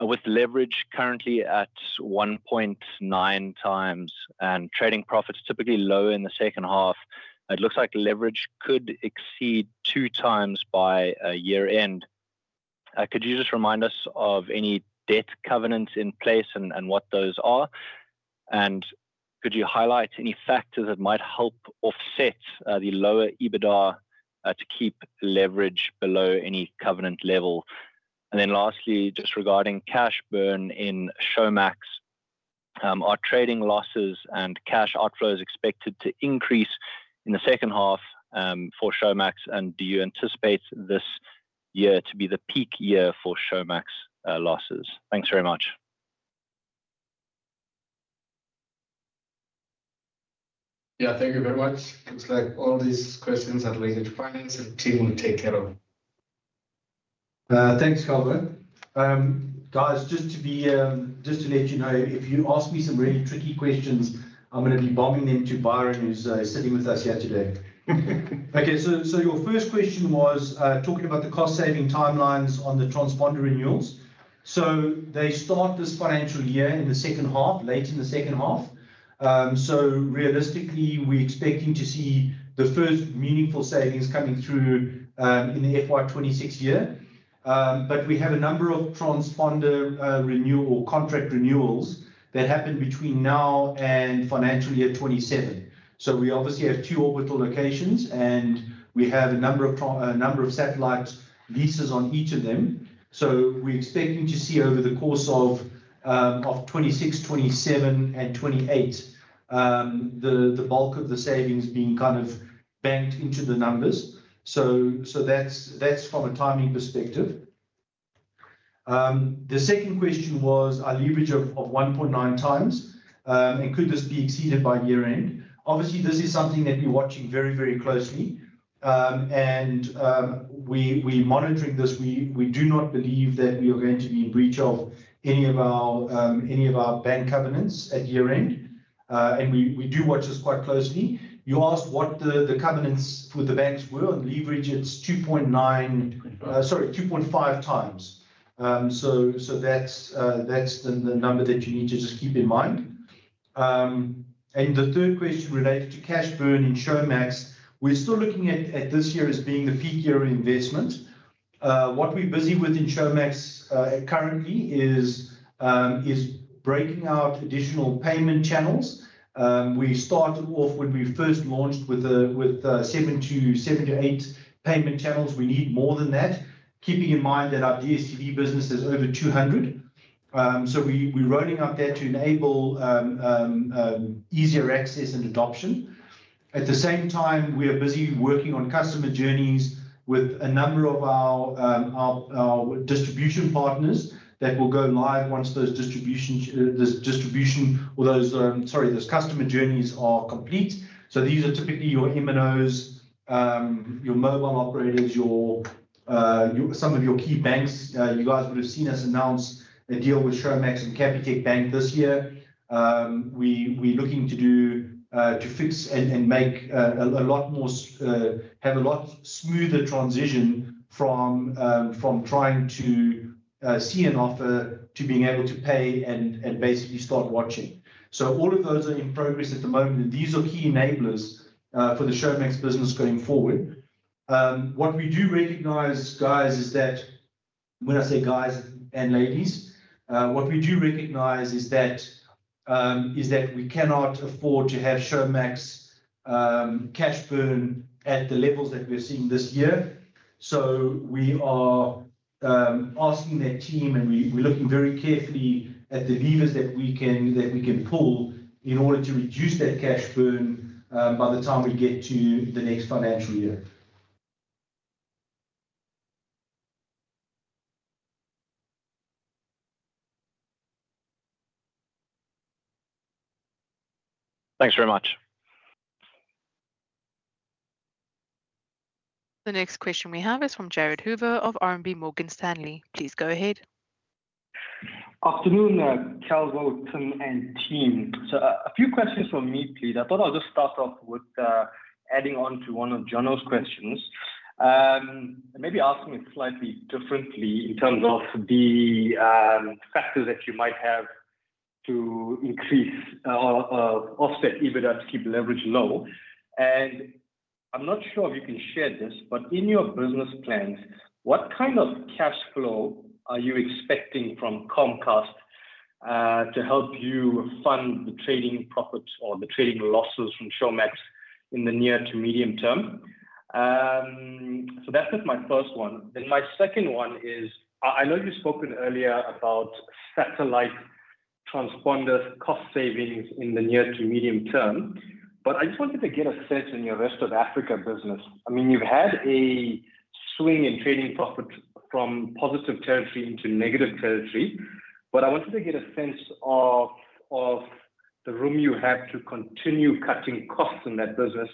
with leverage currently at 1.9x and trading profits typically low in the second half, it looks like leverage could exceed 2x by year-end. Could you just remind us of any debt covenants in place and what those are? And could you highlight any factors that might help offset the lower EBITDA to keep leverage below any covenant level? And then lastly, just regarding cash burn in Showmax, are trading losses and cash outflows expected to increase in the second half for Showmax? And do you anticipate this year to be the peak year for Showmax losses? Thanks very much. Yeah, thank you very much. Looks like all these questions are related to finance, and the team will take care of it. Thanks, Calvo. Guys, just to let you know, if you ask me some really tricky questions, I'm going to be bombing them to Byron, who's sitting with us here today. Okay, so your first question was talking about the cost saving timelines on the transponder renewals. They start this financial year in the second half, late in the second half. So realistically, we're expecting to see the first meaningful savings coming through in the FY 2026 year. But we have a number of transponder renewal or contract renewals that happen between now and financial year 2027. So we obviously have two orbital locations, and we have a number of satellite leases on each of them. So we're expecting to see over the course of 2026, 2027, and 2028, the bulk of the savings being kind of banked into the numbers. So that's from a timing perspective. The second question was our leverage of 1.9x, and could this be exceeded by year-end? Obviously, this is something that we're watching very, very closely. And we're monitoring this. We do not believe that we are going to be in breach of any of our bank covenants at year-end. We do watch this quite closely. You asked what the covenants with the banks were, and leverage it's 2.9x, sorry, 2.5x. That's the number that you need to just keep in mind. The third question related to cash burn in Showmax. We're still looking at this year as being the peak year investment. What we're busy with in Showmax currently is breaking out additional payment channels. We started off when we first launched with seven to eight payment channels. We need more than that, keeping in mind that our DStv business is over 200. We're rolling out that to enable easier access and adoption. At the same time, we are busy working on customer journeys with a number of our distribution partners that will go live once those distribution or those customer journeys are complete. So these are typically your MNOs, your mobile operators, some of your key banks. You guys would have seen us announce a deal with Showmax and Capitec Bank this year. We're looking to fix and make a lot more have a lot smoother transition from trying to see an offer to being able to pay and basically start watching. So all of those are in progress at the moment. And these are key enablers for the Showmax business going forward. What we do recognize, guys, is that when I say guys and ladies, what we do recognize is that we cannot afford to have Showmax cash burn at the levels that we're seeing this year. So we are asking the team, and we're looking very carefully at the levers that we can pull in order to reduce that cash burn by the time we get to the next financial year. Thanks very much. The next question we have is from Jared Hoover of RMB Morgan Stanley. Please go ahead. Afternoon, Calvo and team. So a few questions for me, please. I thought I'll just start off with adding on to one of John's questions. Maybe asking it slightly differently in terms of the factors that you might have to increase or offset EBITDA to keep leverage low. And I'm not sure if you can share this, but in your business plans, what kind of cash flow are you expecting from Comcast to help you fund the trading profits or the trading losses from Showmax in the near to medium term? So that's my first one. Then my second one is, I know you spoke earlier about satellite transponder cost savings in the near to medium term, but I just wanted to get a sense in your Rest of Africa business. I mean, you've had a swing in trading profits from positive territory into negative territory, but I wanted to get a sense of the room you have to continue cutting costs in that business,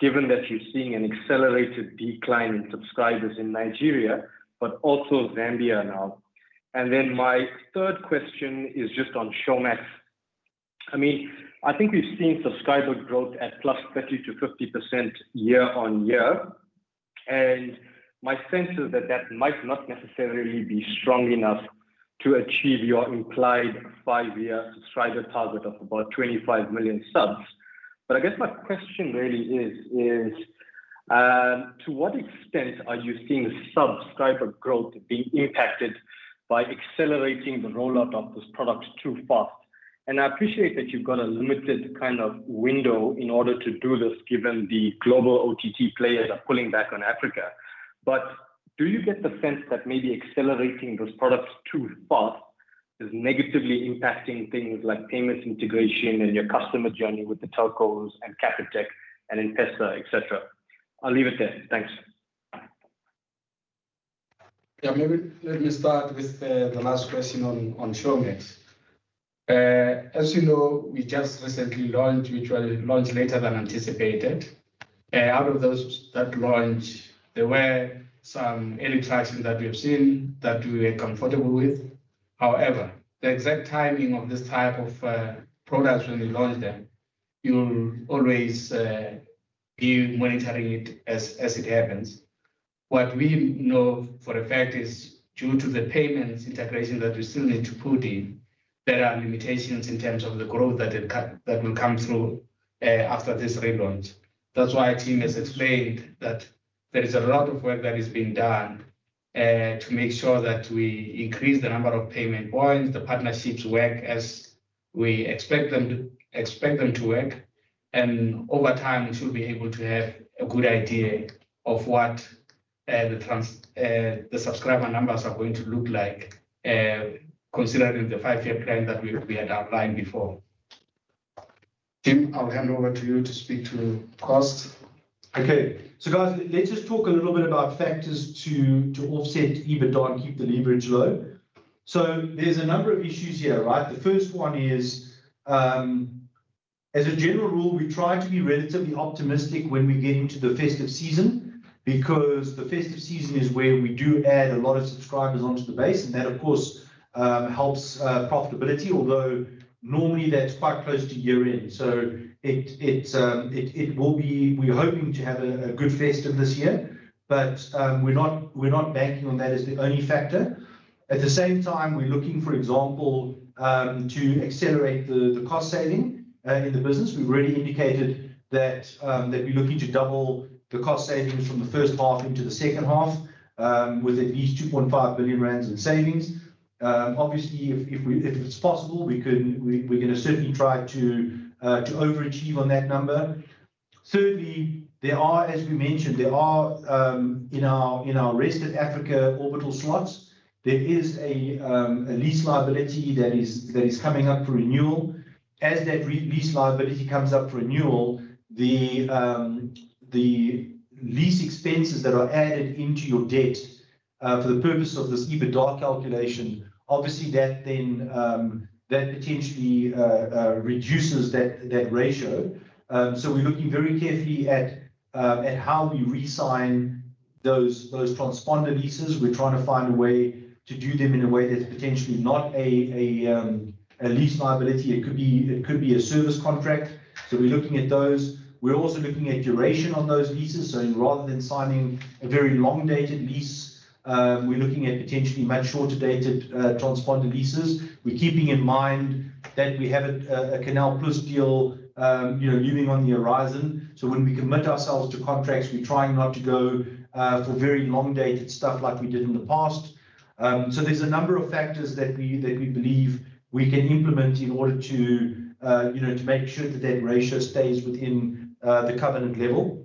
given that you're seeing an accelerated decline in subscribers in Nigeria, but also Zambia now, and then my third question is just on Showmax. I mean, I think we've seen subscriber growth at +30%-50% year-on-year, and my sense is that that might not necessarily be strong enough to achieve your implied five-year subscriber target of about 25 million subs, but I guess my question really is, to what extent are you seeing subscriber growth being impacted by accelerating the rollout of this product too fast? And I appreciate that you've got a limited kind of window in order to do this, given the global OTT players are pulling back on Africa. But do you get the sense that maybe accelerating those products too fast is negatively impacting things like payments integration and your customer journey with the telcos and Capitec and M-PESA, etc.? I'll leave it there. Thanks. Yeah, maybe let me start with the last question on Showmax. As you know, we just recently launched, which was launched later than anticipated. Out of that launch, there were some early metrics that we have seen that we were comfortable with. However, the exact timing of this type of products when we launched them, you'll always be monitoring it as it happens. What we know for a fact is due to the payments integration that we still need to put in, there are limitations in terms of the growth that will come through after this relaunch. That's why our team has explained that there is a lot of work that is being done to make sure that we increase the number of payment points, the partnerships work as we expect them to work, and over time, we should be able to have a good idea of what the subscriber numbers are going to look like, considering the five-year plan that we had outlined before. Tim, I'll hand over to you to speak to cost. Okay, so guys, let's just talk a little bit about factors to offset EBITDA and keep the leverage low, so there's a number of issues here, right? The first one is, as a general rule, we try to be relatively optimistic when we get into the festive season because the festive season is where we do add a lot of subscribers onto the base. And that, of course, helps profitability, although normally that's quite close to year-end. So it will be we're hoping to have a good festive this year, but we're not banking on that as the only factor. At the same time, we're looking, for example, to accelerate the cost saving in the business. We've already indicated that we're looking to double the cost savings from the first half into the second half with at least 2.5 billion rand in savings. Obviously, if it's possible, we're going to certainly try to overachieve on that number. Certainly, as we mentioned, in our Rest of Africa orbital slots, there is a lease liability that is coming up for renewal. As that lease liability comes up for renewal, the lease expenses that are added into your debt for the purpose of this EBITDA calculation, obviously, that potentially reduces that ratio. So we're looking very carefully at how we re-sign those transponder leases. We're trying to find a way to do them in a way that's potentially not a lease liability. It could be a service contract. So we're looking at those. We're also looking at duration on those leases. So rather than signing a very long-dated lease, we're looking at potentially much shorter-dated transponder leases. We're keeping in mind that we have a CANAL+ deal moving on the horizon. So when we commit ourselves to contracts, we're trying not to go for very long-dated stuff like we did in the past. So there's a number of factors that we believe we can implement in order to make sure that that ratio stays within the covenant level.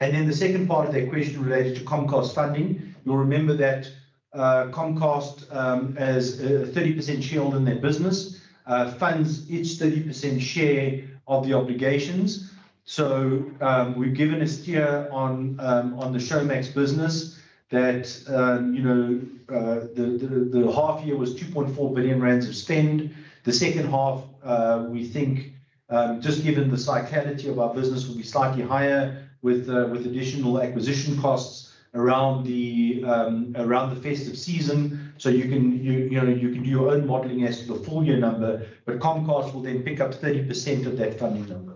And then the second part of that question related to Comcast funding, you'll remember that Comcast has a 30% shareholder in their business, funds each 30% share of the obligations. So we've given a steer on the Showmax business that the half year was 2.4 billion rand of spend. The second half, we think, just given the cyclicality of our business, will be slightly higher with additional acquisition costs around the festive season. So you can do your own modeling as to the full year number, but Comcast will then pick up 30% of that funding number.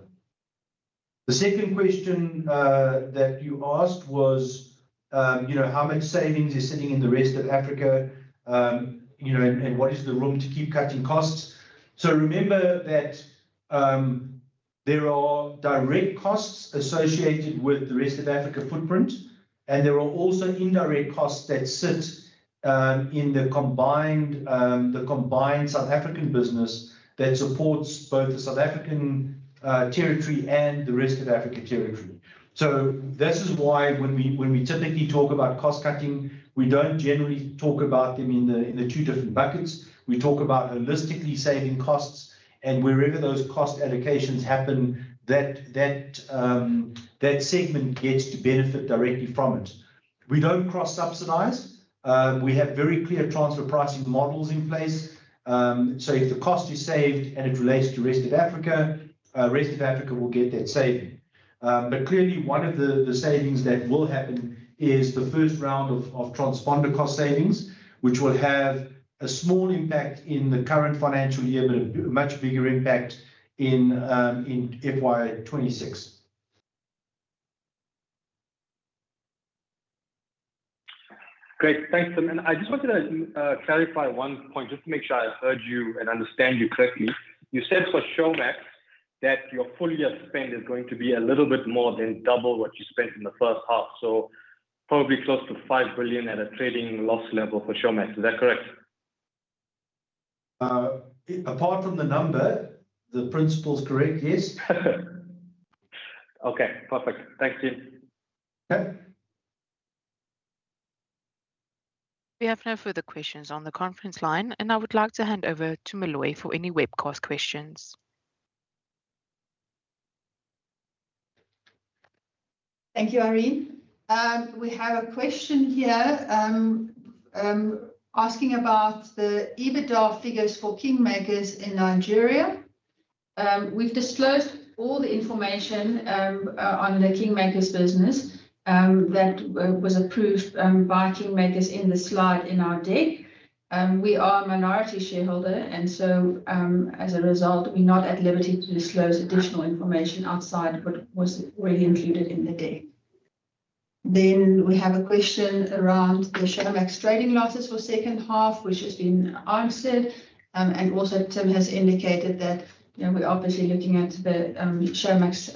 The second question that you asked was how much savings is sitting in the Rest of Africa and what is the room to keep cutting costs? So remember that there are direct costs associated with the Rest of Africa footprint, and there are also indirect costs that sit in the combined South African business that supports both the South African territory and the Rest of Africa territory. So this is why when we typically talk about cost cutting, we don't generally talk about them in the two different buckets. We talk about holistically saving costs, and wherever those cost allocations happen, that segment gets to benefit directly from it. We don't cross-subsidize. We have very clear transfer pricing models in place. So if the cost is saved and it relates to Rest of Africa, Rest of Africa will get that saving. But clearly, one of the savings that will happen is the first round of transponder cost savings, which will have a small impact in the current financial year, but a much bigger impact in FY 2026. Great. Thanks. And I just wanted to clarify one point just to make sure I heard you and understand you correctly. You said for Showmax that your full year spend is going to be a little bit more than double what you spent in the first half. So probably close to 5 billion at a trading loss level for Showmax. Is that correct? Apart from the number, the principle is correct, yes. Okay. Perfect. Thanks, Tim. Okay. We have no further questions on the conference line, and I would like to hand over to Meloy for any webcast questions. Thank you, Ari. We have a question here asking about the EBITDA figures for KingMakers in Nigeria. We've disclosed all the information on the KingMakers business that was approved by KingMakers in the slide in our deck. We are a minority shareholder, and so as a result, we're not at liberty to disclose additional information outside what was already included in the deck, then we have a question around the Showmax trading losses for the second half, which has been answered, and also Tim has indicated that we're obviously looking at the Showmax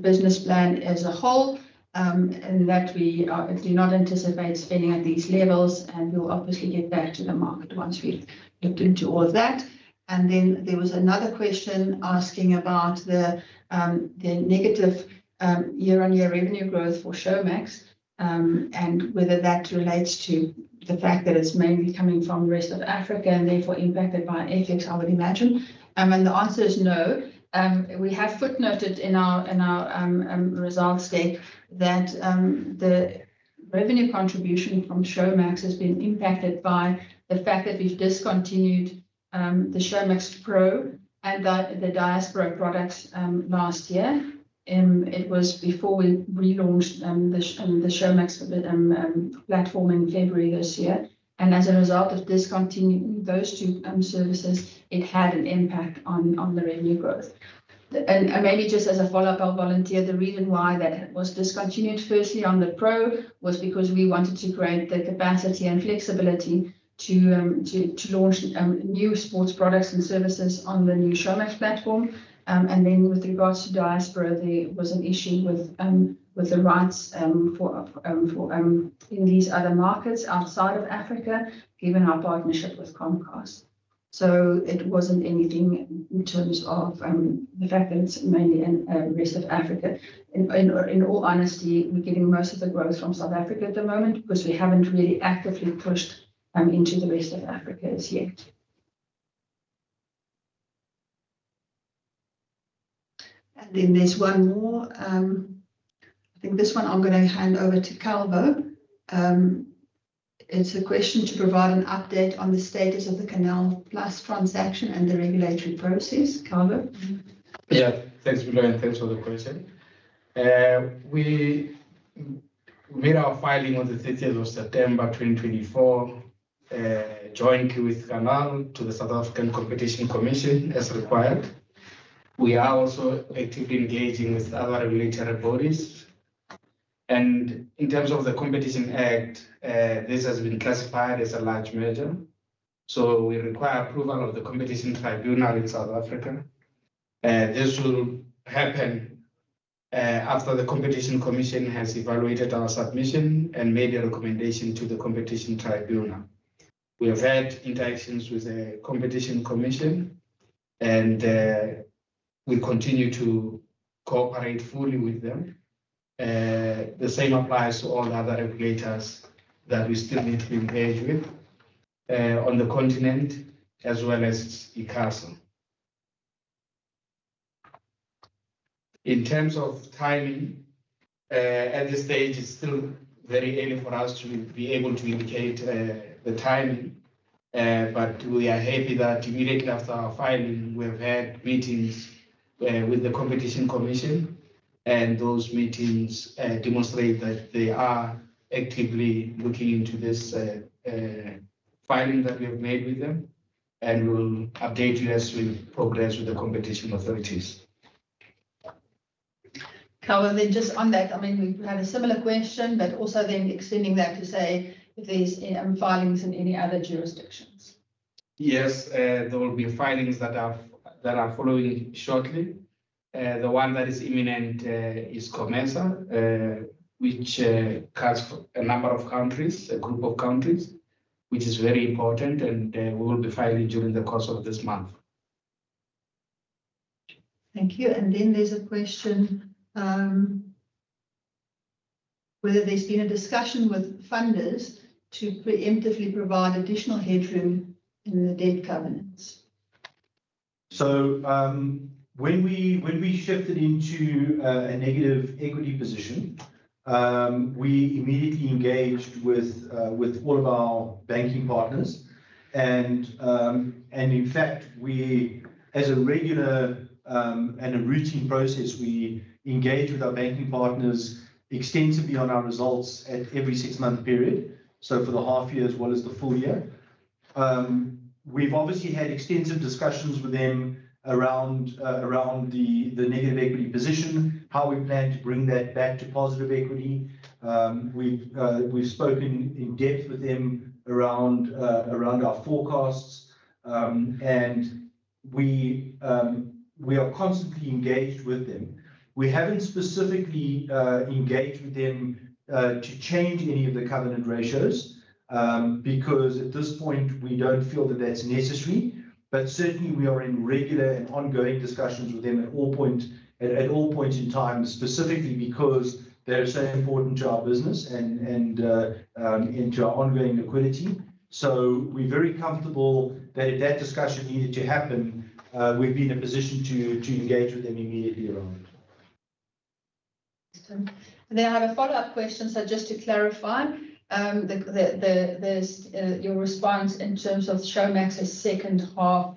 business plan as a whole and that we do not anticipate spending at these levels, and we'll obviously get back to the market once we've looked into all of that. And then there was another question asking about the negative year-on-year revenue growth for Showmax and whether that relates to the fact that it's mainly coming from the Rest of Africa and therefore impacted by FX, I would imagine. And the answer is no. We have footnoted in our results deck that the revenue contribution from Showmax has been impacted by the fact that we've discontinued the Showmax Pro and the Diaspora products last year. It was before we relaunched the Showmax platform in February this year. And as a result of discontinuing those two services, it had an impact on the revenue growth. And maybe just as a follow-up, I'll volunteer the reason why that was discontinued. Firstly, on the Pro was because we wanted to create the capacity and flexibility to launch new sports products and services on the new Showmax platform. And then with regards to Diaspora, there was an issue with the rights in these other markets outside of Africa, given our partnership with Comcast. So it wasn't anything in terms of the fact that it's mainly in the Rest of Africa. In all honesty, we're getting most of the growth from South Africa at the moment because we haven't really actively pushed into the Rest of Africa as yet. And then there's one more. I think this one I'm going to hand over to Calvo. It's a question to provide an update on the status of the CANAL+ transaction and the regulatory process. Yeah. Thanks, Meloy. Thanks for the question. We made our filing on the 30th of September 2024, jointly with CANAL+ to the South African Competition Commission as required. We are also actively engaging with other regulatory bodies. In terms of the Competition Act, this has been classified as a large merger. We require approval of the Competition Tribunal in South Africa. This will happen after the Competition Commission has evaluated our submission and made a recommendation to the Competition Tribunal. We have had interactions with the Competition Commission, and we continue to cooperate fully with them. The same applies to all the other regulators that we still need to engage with on the continent as well as ICASA. In terms of timing, at this stage, it's still very early for us to be able to indicate the timing, but we are happy that immediately after our filing, we have had meetings with the Competition Commission, and those meetings demonstrate that they are actively looking into this filing that we have made with them, and we'll update you as we progress with the competition authorities. Calvo, then just on that, I mean, we had a similar question, but also then extending that to say if there's filings in any other jurisdictions. Yes, there will be filings to follow shortly. The one that is imminent is COMESA, which covers a number of countries, a group of countries, which is very important, and we will be filing during the course of this month. Thank you. And then there's a question whether there's been a discussion with funders to preemptively provide additional headroom in the debt covenants. So when we shifted into a negative equity position, we immediately engaged with all of our banking partners. And in fact, as a regular and a routine process, we engage with our banking partners extensively on our results at every six-month period, so for the half year as well as the full year. We've obviously had extensive discussions with them around the negative equity position, how we plan to bring that back to positive equity. We've spoken in depth with them around our forecasts, and we are constantly engaged with them. We haven't specifically engaged with them to change any of the covenant ratios because at this point, we don't feel that that's necessary. But certainly, we are in regular and ongoing discussions with them at all points in time, specifically because they are so important to our business and to our ongoing liquidity. So we're very comfortable that if that discussion needed to happen, we've been in a position to engage with them immediately around it. Thanks, Tim. And then I have a follow-up question. So just to clarify your response in terms of Showmax's second half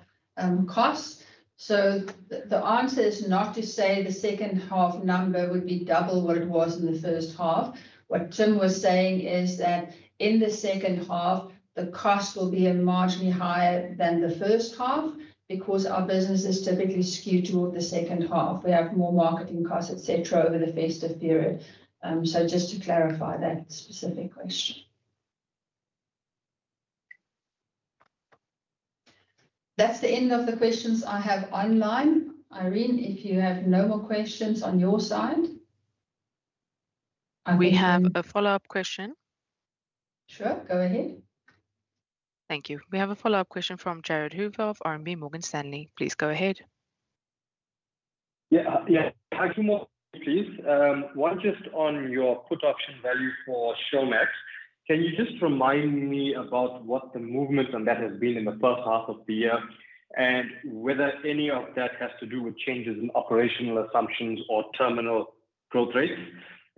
costs. So the answer is not to say the second half number would be double what it was in the first half. What Tim was saying is that in the second half, the cost will be marginally higher than the first half because our business is typically skewed toward the second half. We have more marketing costs, etc., over the festive period. So just to clarify that specific question. That's the end of the questions I have online. Ari, if you have no more questions on your side? We have a follow-up question. Sure. Go ahead. Thank you. We have a follow-up question from Jared Hoover of RMB Morgan Stanley. Please go ahead. Yeah. Thank you Meloy. One just on your put option value for Showmax. Can you just remind me about what the movement on that has been in the first half of the year and whether any of that has to do with changes in operational assumptions or terminal growth rates?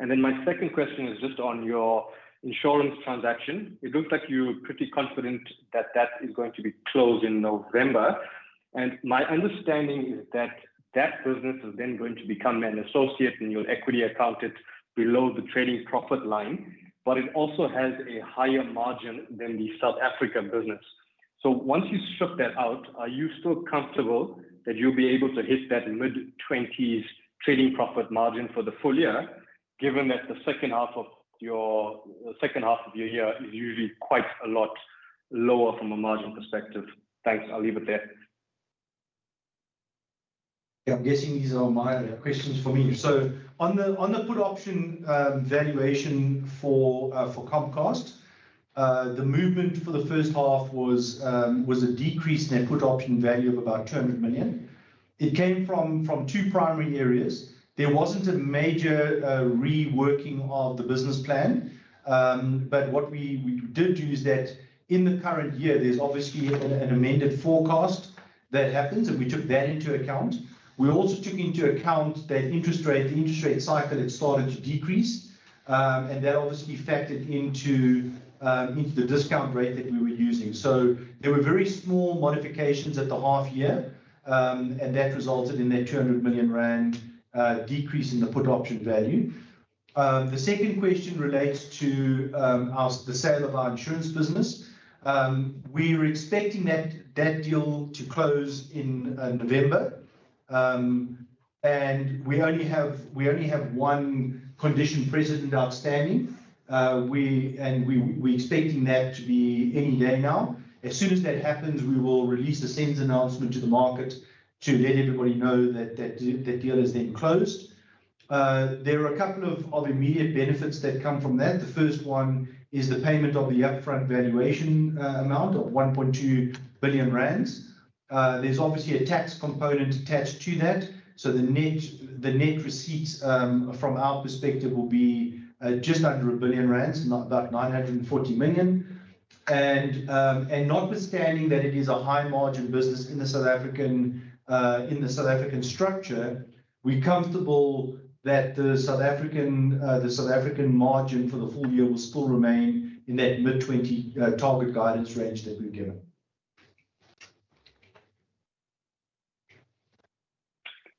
And then my second question is just on your insurance transaction. It looked like you were pretty confident that that is going to be closed in November. My understanding is that that business is then going to become an associate and your equity accounted below the trading profit line, but it also has a higher margin than the South Africa business. So once you strip that out, are you still comfortable that you'll be able to hit that mid-20s trading profit margin for the full year, given that the second half of your second half of your year is usually quite a lot lower from a margin perspective? Thanks. I'll leave it there. Yeah. I'm guessing these are my questions for me. So on the put option valuation for Comcast, the movement for the first half was a decrease in their put option value of about 200 million. It came from two primary areas. There wasn't a major reworking of the business plan, but what we did do is that in the current year, there's obviously an amended forecast that happens, and we took that into account. We also took into account that interest rate, the interest rate cycle, had started to decrease, and that obviously factored into the discount rate that we were using. So there were very small modifications at the half year, and that resulted in that 200 million rand decrease in the put option value. The second question relates to the sale of our insurance business. We were expecting that deal to close in November, and we only have one condition present and outstanding, and we're expecting that to be any day now. As soon as that happens, we will release a sales announcement to the market to let everybody know that that deal has been closed. There are a couple of immediate benefits that come from that. The first one is the payment of the upfront valuation amount of 1.2 billion rand. There's obviously a tax component attached to that. So the net receipts from our perspective will be just under a billion rands, now about 940 million. And notwithstanding that it is a high-margin business in the South African structure, we're comfortable that the South African margin for the full year will still remain in that mid-20 target guidance range that we've given.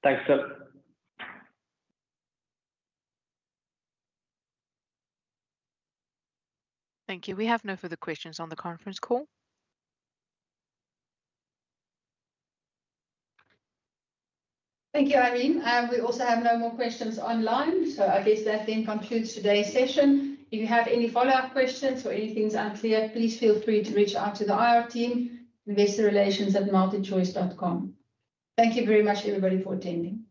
Thanks, Tim. Thank you. We have no further questions on the conference call. Thank you, Ari. We also have no more questions online. So I guess that then concludes today's session. If you have any follow-up questions or anything's unclear, please feel free to reach out to the IR team, investorrelations@multichoice.com. Thank you very much, everybody, for attending.